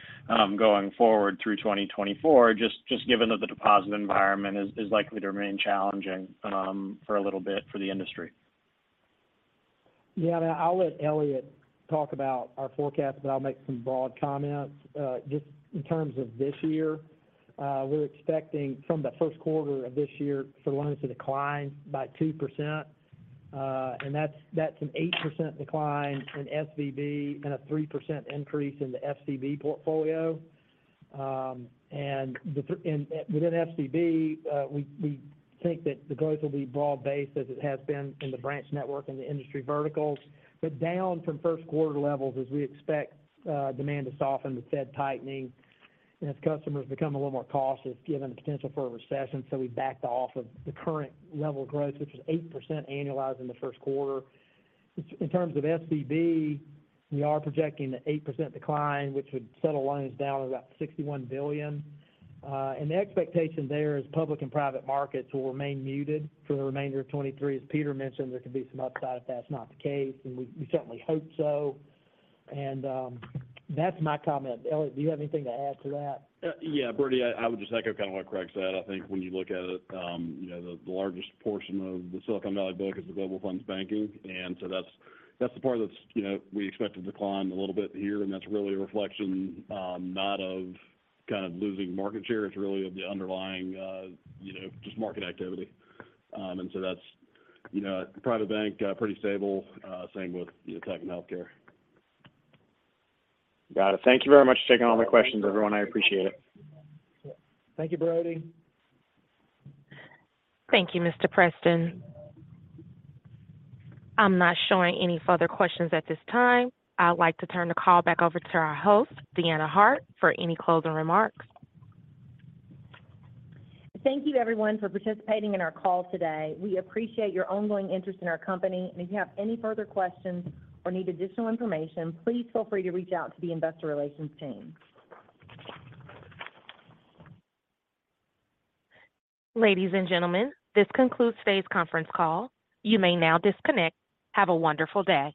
Speaker 12: going forward through 2024? Just given that the deposit environment is likely to remain challenging for a little bit for the industry.
Speaker 5: I'll let Elliot talk about our forecast, but I'll make some broad comments. Just in terms of this year, we're expecting from the first quarter of this year for loans to decline by 2%. That's, that's an 8% decline in SVB and a 3% increase in the FCB portfolio. Within SVB, we think that the growth will be broad-based as it has been in the branch network and the industry verticals. Down from first quarter levels as we expect demand to soften with Fed tightening and as customers become a little more cautious given the potential for a recession. We backed off of the current level of growth, which was 8% annualized in the first quarter. In terms of SVB, we are projecting an 8% decline, which would settle loans down to about $61 billion. The expectation there is public and private markets will remain muted for the remainder of 2023. As Peter mentioned, there could be some upside if that's not the case, and we certainly hope so. That's my comment. Elliot, do you have anything to add to that?
Speaker 7: Yeah, Brody, I would just echo kind of what Craig said. I think when you look at it, you know, the largest portion of the Silicon Valley Bank is the Global Fund Banking. That's the part that's, you know, we expect to decline a little bit here, and that's really a reflection, not of kind of losing market share, it's really of the underlying, you know, just market activity. That's, you know, private bank, pretty stable. Same with, you know, tech and healthcare.
Speaker 12: Got it. Thank you very much for taking all my questions, everyone. I appreciate it.
Speaker 5: Thank you, Brody.
Speaker 1: Thank you, Mr. Preston. I'm not showing any further questions at this time. I'd like to turn the call back over to our host, Deanna Hart, for any closing remarks.
Speaker 9: Thank you everyone for participating in our call today. We appreciate your ongoing interest in our company. If you have any further questions or need additional information, please feel free to reach out to the investor relations team.
Speaker 1: Ladies and gentlemen, this concludes today's conference call. You may now disconnect. Have a wonderful day.